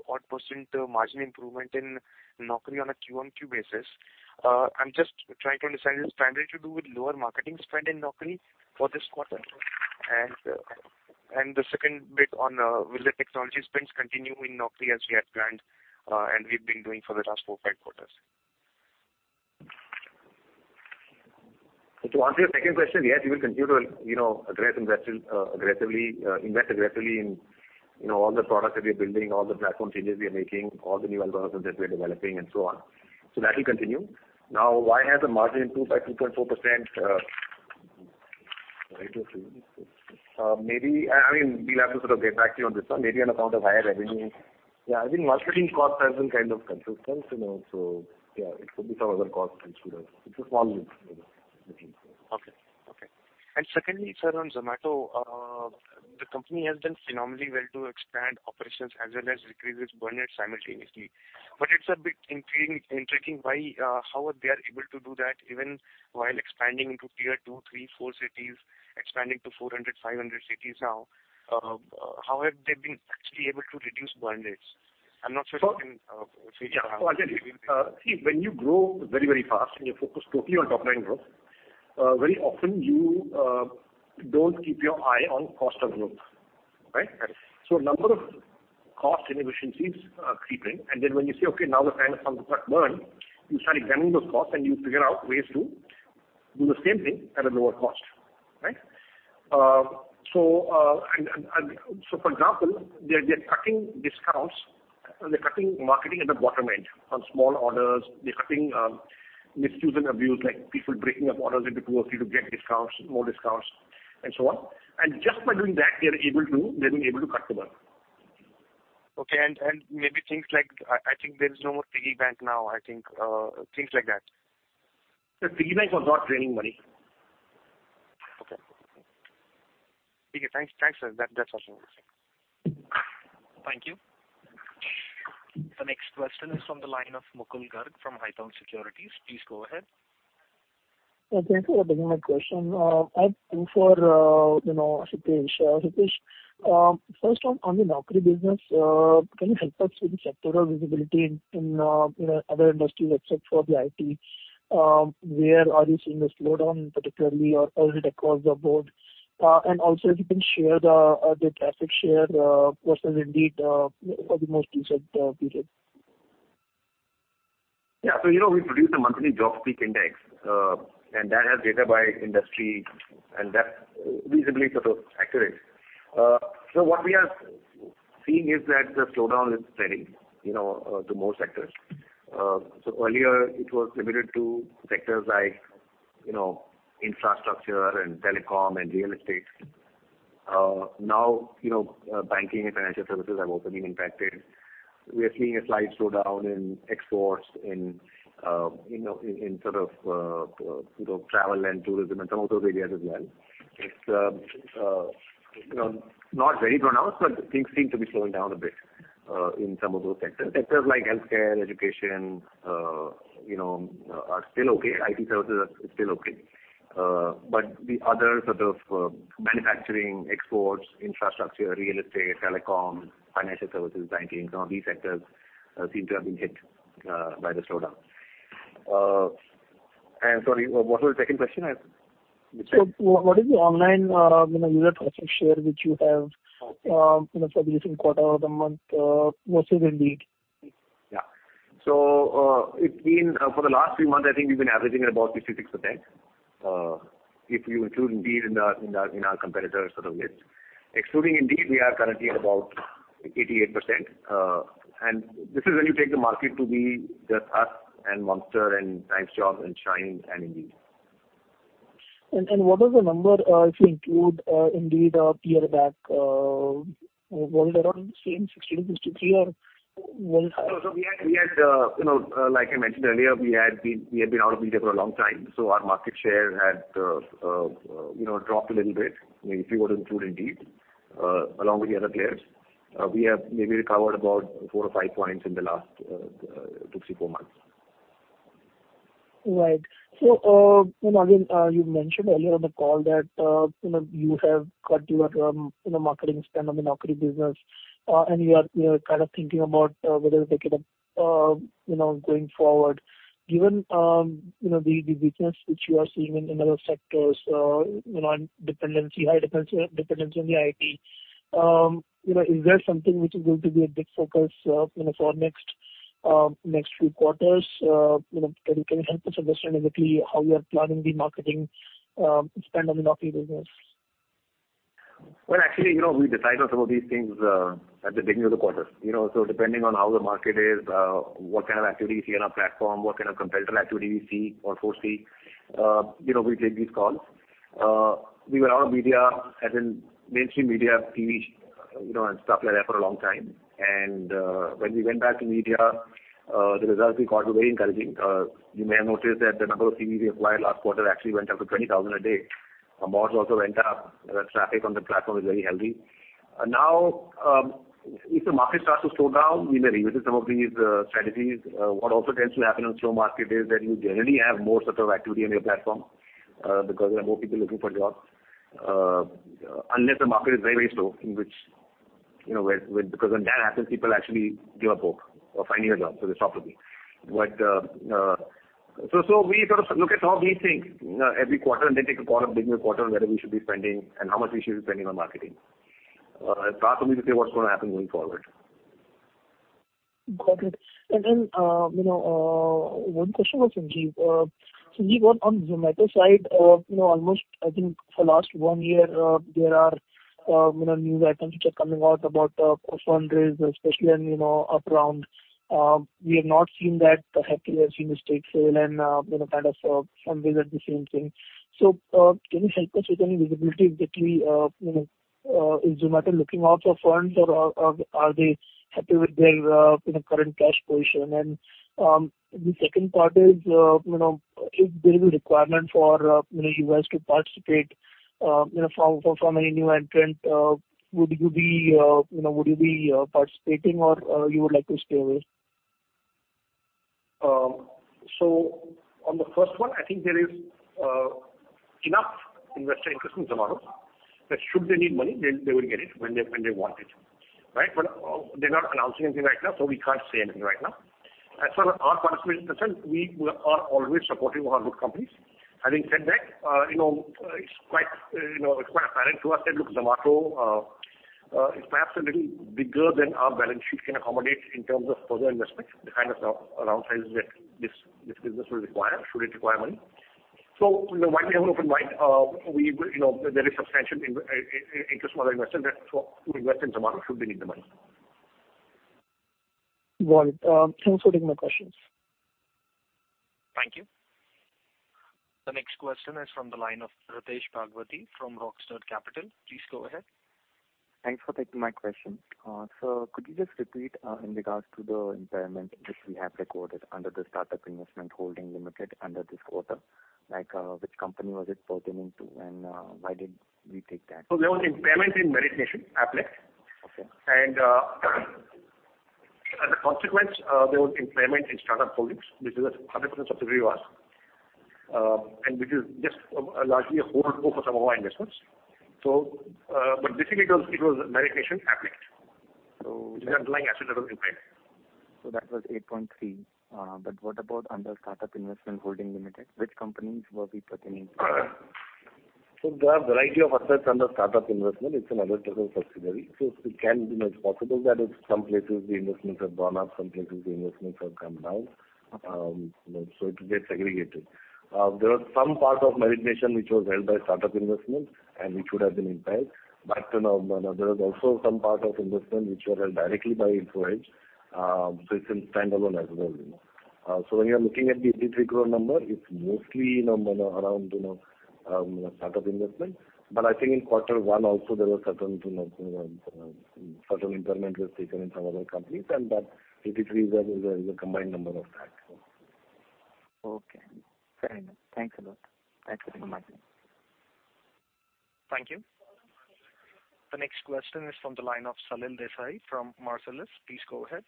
odd margin improvement in Naukri on a Q-on-Q basis. I'm just trying to understand, is this primarily to do with lower marketing spend in Naukri for this quarter? The second bit, will the technology spends continue in Naukri as we had planned, and we've been doing for the last four, five quarters? To answer your second question, yes, we will continue to aggressively invest in all the products that we are building, all the platform changes we are making, all the new algorithms that we're developing, and so on. That will continue. Now, why has the margin improved by 2.4%? We'll have to sort of get back to you on this one. Maybe on account of higher revenue. I think marketing cost has been kind of consistent. It could be some other cost. It's a small move. Secondly, sir, on Zomato, the company has done phenomenally well to expand operations as well as decrease its burn rate simultaneously. It's a bit intriguing how they are able to do that even while expanding into Tier 2, 3, 4 cities, expanding to 400, 500 cities now. How have they been actually able to reduce burn rates? I'm not sure if you can say. I'll tell you. See, when you grow very fast and you focus totally on top-line growth, very often you don't keep your eye on cost of growth. A number of cost inefficiencies are creeping. Then when you say, okay, now is the time to focus on burn, you start examining those costs and you figure out ways to do the same thing at a lower cost. For example, they're cutting discounts, and they're cutting marketing at the bottom end. On small orders, they're cutting misuse and abuse, like people breaking up orders into two or three to get more discounts, and so on. Just by doing that, they're being able to cut the burn. Maybe things like, I think there is no more Piggybank now, things like that. The Piggybank was not draining money. Thanks, sir. That's all from my side. Thank you. The next question is from the line of Mukul Garg from Haitong Securities. Please go ahead. Thank you for taking my question. I have two for Hitesh. Hitesh, first one, on the Naukri business. Can you help us with the sectoral visibility in other industries except for the IT? Where are you seeing the slowdown particularly, or is it across the board? Also, if you can share the traffic share versus Indeed for the most recent period. We produce a monthly JobSpeak Index, and that has data by industry, and that's reasonably sort of accurate. What we are seeing is that the slowdown is spreading to more sectors. Earlier it was limited to sectors like infrastructure and telecom and real estate. Now, banking and financial services have also been impacted. We are seeing a slight slowdown in exports, in sort of travel and tourism, and some of those areas as well. It's not very pronounced, but things seem to be slowing down a bit in some of those sectors. Sectors like healthcare, education are still okay. IT services are still okay. The other sort of manufacturing exports, infrastructure, real estate, telecom, financial services, banking, some of these sectors seem to have been hit by the slowdown. Sorry, what was your second question? What is the online user traffic share which you have for the recent quarter or the month versus Indeed? For the last three months, I think we've been averaging about 56%, if you include Indeed in our competitor sort of list. Excluding Indeed, we are currently at about 88%. This is when you take the market to be just us and Monster and TimesJobs and Shine and Indeed. What is the number, if you include Indeed a year back? Was it around the same, 62%, 63%? Like I mentioned earlier, we had been out of media for a long time, so our market share had dropped a little bit. If you were to include Indeed along with the other players, we have maybe recovered about 4 points or 5 points in the last two, three, four months. Again, you mentioned earlier on the call that you have cut your marketing spend on the Naukri business, and you are kind of thinking about whether to take it up going forward. Given the weakness which you are seeing in other sectors, and high dependence on the IT, is that something which is going to be a big focus for next few quarters? Can you help us understand a bit how you are planning the marketing spend on the Naukri business? Well, actually, we decide on some of these things at the beginning of the quarter. Depending on how the market is, what kind of activities we see on our platform, what kind of competitor activity we see or foresee, we take these calls. We were out of media, as in mainstream media, TV, and stuff like that for a long time. When we went back to media, the results we got were very encouraging. You may have noticed that the number of CVs we acquired last quarter actually went up to 20,000 a day. Our mods also went up. The traffic on the platform is very healthy. Now if the market starts to slow down, we may revisit some of these strategies. What also tends to happen in a slow market is that you generally have more sort of activity on your platform, because there are more people looking for jobs. Unless the market is very slow, because when that happens, people actually give up hope of finding a job, so they stop looking. We sort of look at some of these things every quarter and then take a call at the beginning of the quarter on whether we should be spending and how much we should be spending on marketing. It's far too early to say what's going to happen going forward. Got it. One question for Sanjeev. Sanjeev, on the Zomato side, almost I think for the last one year, there are new items which are coming out about fund raise, especially an up-round. We have not seen that, perhaps we have seen the stake sale and kind of fund raise at the same thing. Can you help us with any visibility exactly, is Zomato looking out for funds or are they happy with their current cash position? The second part is, if there is a requirement for you guys to participate from any new entrant, would you be participating or you would like to stay away? On the first one, I think there is enough investor interest in Zomato that should they need money, they will get it when they want it. They're not announcing anything right now, so we can't say anything right now. As far as our participation is concerned, we are always supportive of our good companies. Having said that, it's quite apparent to us that, Zomato is perhaps a little bigger than our balance sheet can accommodate in terms of further investment, the kind of round sizes that this business will require should it require money. While we have an open mind, there is substantial interest from other investors to invest in Zomato should they need the money. Got it. Thanks for taking my questions. Thank you. The next question is from the line of Ritesh Bhagwati from Rockstud Capital. Please go ahead. Thanks for taking my question. Could you just repeat in regards to the impairment which we have recorded under the Startup Investments (Holding) Limited under this quarter? Which company was it pertaining to and why did we take that? There was impairment in Meritnation, Applect. As a consequence, there was impairment in Startup Investments, which is 100% subsidiary of ours, and which is just largely a HoldCo for some of our investments. Basically, it was Meritnation, Applect. Which is an underlying asset that was impaired. That was INR 83 crores. What about under Startup Investments (Holding) Limited? Which companies were we pertaining to? There are a variety of assets under Startup Investments. It's another type of subsidiary. It's possible that at some places the investments have gone up, some places the investments have come down. It gets segregated. There was some part of Meritnation which was held by Startup Investments and which would have been impaired. There was also some part of investment which were held directly by Info Edge. It's in standalone as well. When you're looking at the 83 crore number, it's mostly around Startup Investments. I think in quarter one also, there were certain impairment taken in some other companies, and that 83 crore is a combined number of that. Fair enough. Thanks a lot. Thanks for taking my question. Thank you. The next question is from the line of Salil Desai from Marcellus. Please go ahead.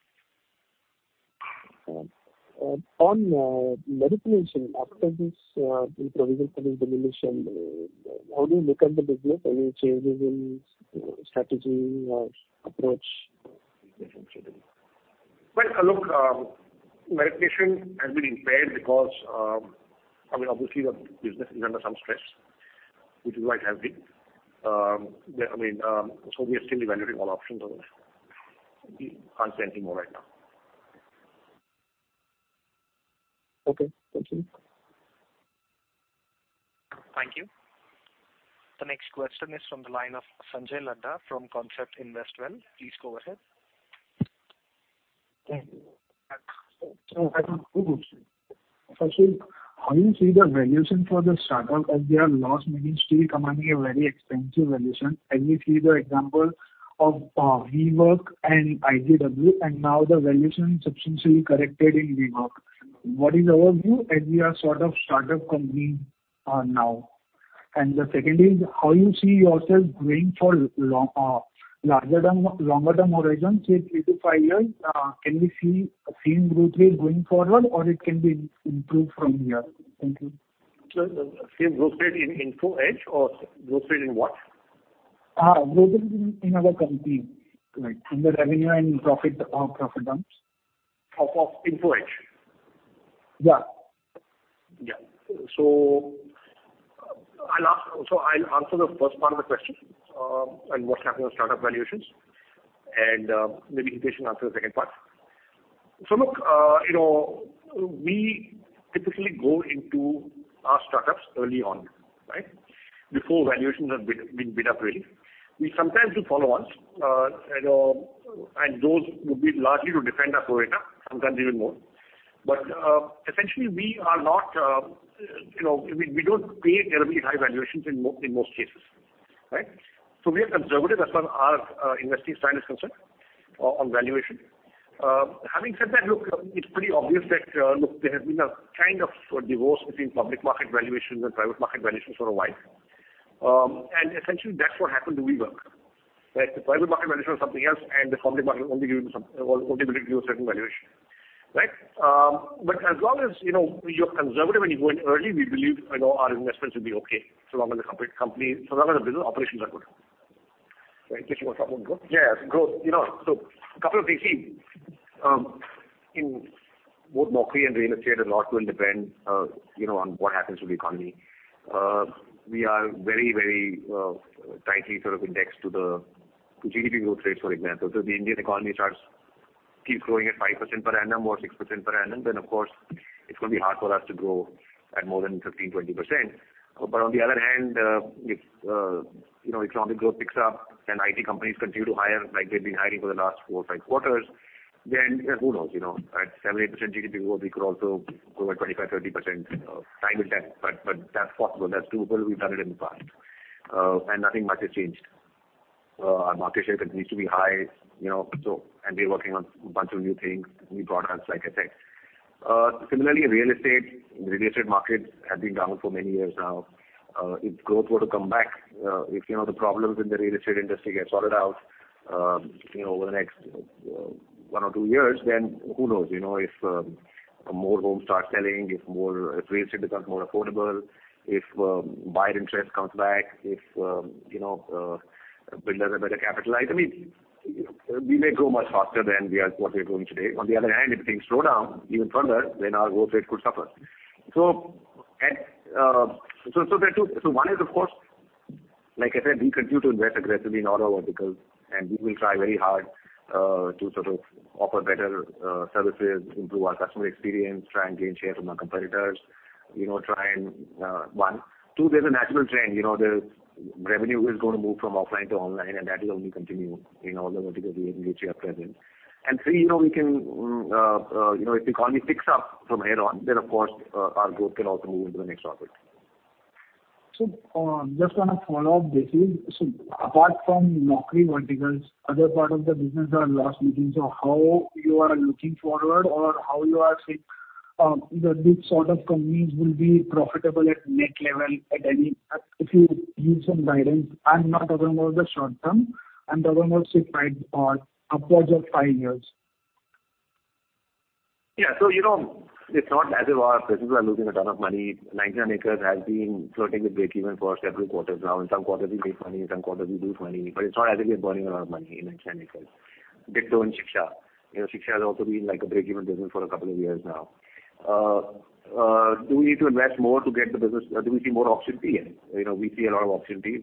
On Meritnation, after this provision, how do you look at the business? Any changes in strategy or approach potentially? Well, Meritnation has been impaired because, obviously the business is under some stress, which is why it is happening. We are still evaluating all options on that. We cannot say anything more right now. Thank you. Thank you. The next question is from the line of Sanjay Ladha from Concept Investwell. Please go ahead. Thank you. I have two questions. Firstly, how you see the valuation for the startup as their loss is still commanding a very expensive valuation? We see the example of WeWork and ITW, now the valuation substantially corrected in WeWork. What is our view as we are sort of startup company now? The second is, how you see yourself going for longer-term horizon, say three to five years? Can we see same growth rate going forward or it can be improved from here? Thank you. Sir, same growth rate in Info Edge or growth rate in what? Growth rate in other company. In the revenue and profit terms. Of Info Edge? Yeah. I'll answer the first part of the question, and what's happening with startup valuations, and maybe Hitesh can answer the second part. We typically go into our startups early on, before valuations have been bid up really. We sometimes do follow-ons, and those would be largely to defend our pro rata, sometimes even more. Essentially, we don't pay terribly high valuations in most cases. We are conservative as far as our investing style is concerned on valuation. Having said that, it's pretty obvious that there has been a kind of divorce between public market valuations and private market valuations for a while. Essentially, that's what happened to WeWork. The private market valuation was something else and the public market only willing to give a certain valuation. As long as you're conservative and you go in early, we believe our investments will be okay, so long as the business operations are good. Hitesh, you want to talk about growth? A couple of things. In both Naukri and real estate, a lot will depend on what happens to the economy. We are very tightly indexed to the GDP growth rates, for example. If the Indian economy keeps growing at 5% per annum or 6% per annum, then of course, it's going to be hard for us to grow at more than 15%-20%. On the other hand, if economic growth picks up and IT companies continue to hire like they've been hiring for the last four or five quarters, then who knows? At 7%-8% GDP growth, we could also grow at 25%-30%. Time will tell, but that's possible. That's doable. We've done it in the past, and nothing much has changed. Our market share continues to be high, and we're working on a bunch of new things, new products, like I said. Similarly, real estate. The real estate market has been down for many years now. If growth were to come back, if the problems in the real estate industry get sorted out over the next one or two years, who knows? If more homes start selling, if real estate becomes more affordable, if buyer interest comes back, if builders are better capitalized, we may grow much faster than what we're growing today. On the other hand, if things slow down even further, our growth rate could suffer. One is, of course, like I said, we continue to invest aggressively in all our verticals, and we will try very hard to offer better services, improve our customer experience, try and gain share from our competitors. Two, there's a natural trend. Revenue is going to move from offline to online, that will only continue in all the verticals we have and which we are present. Three, if the economy picks up from here on, then of course our growth can also move into the next orbit. Just want to follow up. Apart from Naukri verticals, other parts of the business are loss-making. How you are looking forward, or how you are saying these sort of companies will be profitable at net level? If you give some guidance. I'm not talking about the short term, I'm talking about upwards of five years. It's not as if our businesses are losing a ton of money. 99acres has been flirting with breakeven for several quarters now. In some quarters we make money, in some quarters we lose money, but it's not as if we are burning a lot of money in 99acres. Ditto in Shiksha. Shiksha has also been a breakeven business for a couple of years now. Do we see more opportunity in it? We see a lot of opportunity,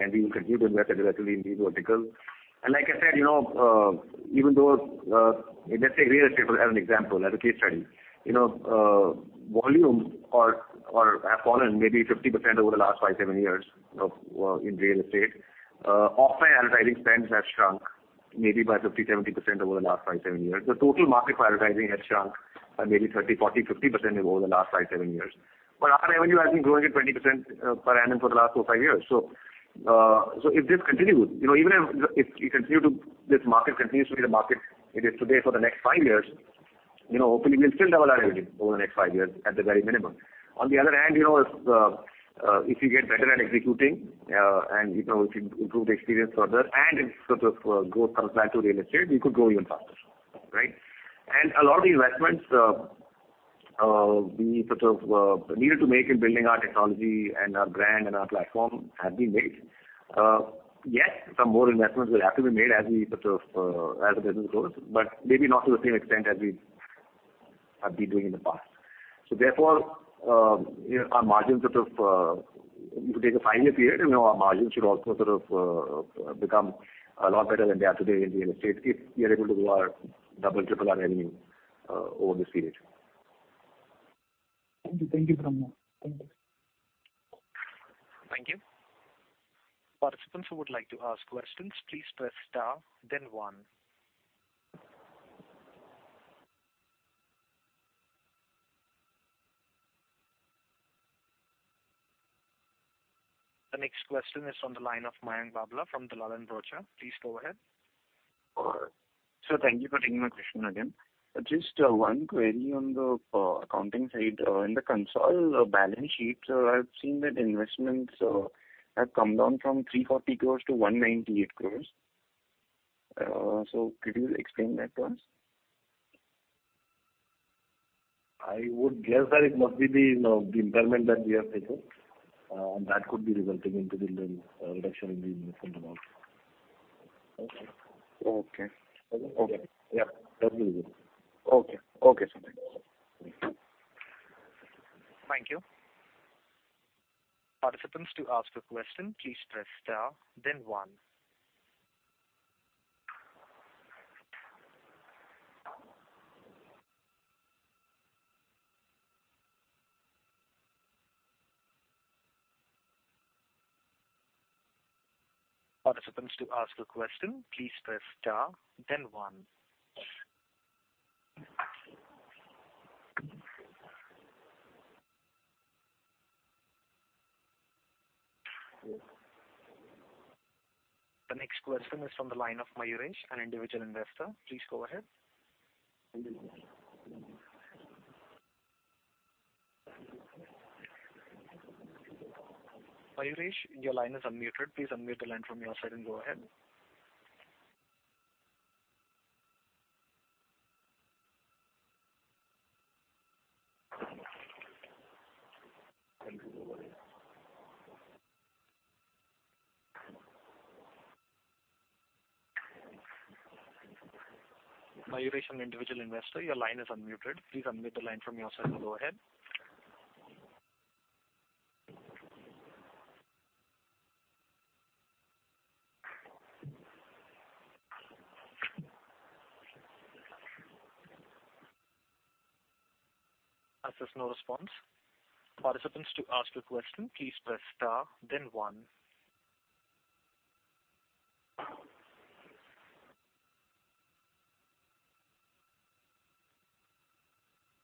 and we will continue to invest aggressively in these verticals. Let's take real estate as an example, as a case study. Volumes have fallen maybe 50% over the last five, seven years in real estate. Offline advertising spends have shrunk maybe by 50%-70% over the last five, seven years. The total market for advertising has shrunk by maybe 30%, 40%, 50% over the last five, seven years. Our revenue has been growing at 20% per annum for the last four, five years. If this continues, if this market continues to be the market it is today for the next five years, hopefully we'll still double our revenue over the next five years at the very minimum. On the other hand, if we get better at executing, and if we improve the experience further, and if growth comes back to real estate, we could grow even faster. A lot of the investments we needed to make in building our technology and our brand and our platform have been made. Yes, some more investments will have to be made as the business grows, but maybe not to the same extent as we have been doing in the past. Therefore, if you take a five-year period, our margins should also become a lot better than they are today in the real estate space. We are able to double, triple our revenue over this period. Thank you very much. Thank you. Participants who would like to ask questions, please press star then one. The next question is on the line of Mayank Babla from Dalal & Broacha. Please go ahead. Sir, thank you for taking my question again. Just one query on the accounting side. In the consolidated balance sheet, I've seen that investments have come down from 340 crores to 198 crores. Could you explain that to us? I would guess that it must be the impairment that we have taken, and that could be resulting into the reduction in the investment amount. That will be it. Thanks. Thank you. Participants, to ask a question, please press star then one. The next question is from the line of [Mayuresh], an individual investor. Please go ahead. [Mayuresh], your line is unmuted. Please unmute the line from your side and go ahead. [inaudible] [Mayuresh], individual investor, your line is unmuted. Please unmute the line from your side to go ahead. There is no response. For participants to ask a question, please press star then one.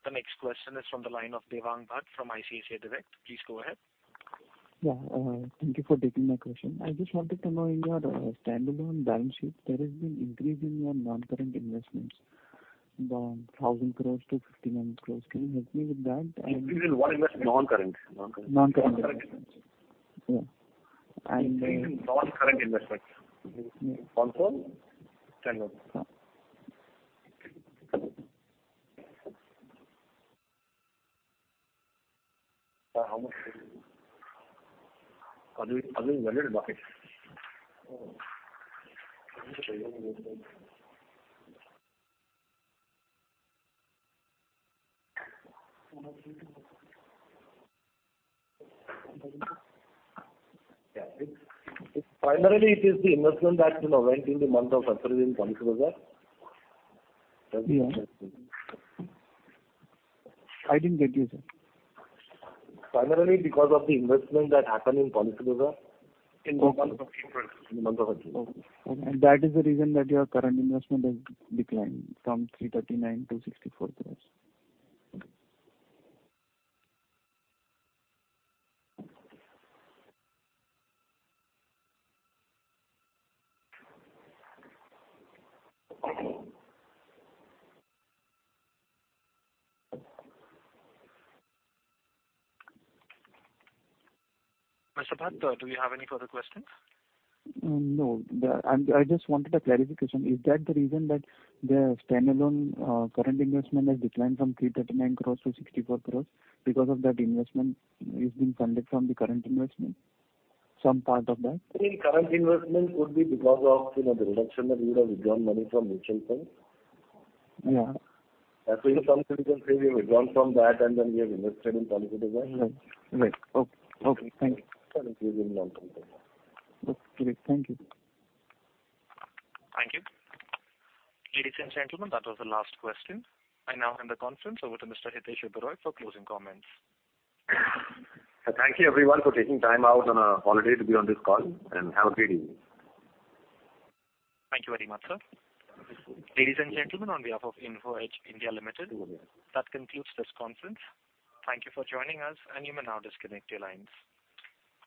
The next question is from the line of Devang Bhatt from ICICI Direct. Please go ahead. Thank you for taking my question. I just wanted to know, in your standalone balance sheet, there has been increase in your non-current investments, from 1,000 crores to 1,500 crores. Can you help me with that? Increase in what investment? Non-current. Non-current. Non-current investments. Yeah. Increase in non-current investments. Consol, standalone. How much is it? Are those valued markets? Primarily, it is the investment that went in the month of February in Policybazaar. I didn't get you, sir. Primarily because of the investment that happened in Policybazaar in the month of February. That is the reason that your current investment has declined from 339 crores to 64 crores. Mr. Bhatt, do you have any further questions? No. I just wanted a clarification. Is that the reason that the standalone current investment has declined from 339 crores to 64 crores, because some part of that investment is being funded from the current investment? Current investment would be because of the reduction that we would have withdrawn money from mutual funds. After we took some mutual funds, we withdrew from that, and then we have invested in Policybazaar. Thank you. It is in non-current investment. Thank you. Thank you. Ladies and gentlemen, that was the last question. I now hand the conference over to Mr. Hitesh Oberoi for closing comments. Thank you everyone for taking time out on a holiday to be on this call, and have a great evening. Thank you very much, sir. Ladies and gentlemen, on behalf of Info Edge (India) Limited, that concludes this conference. Thank you for joining us, and you may now disconnect your lines.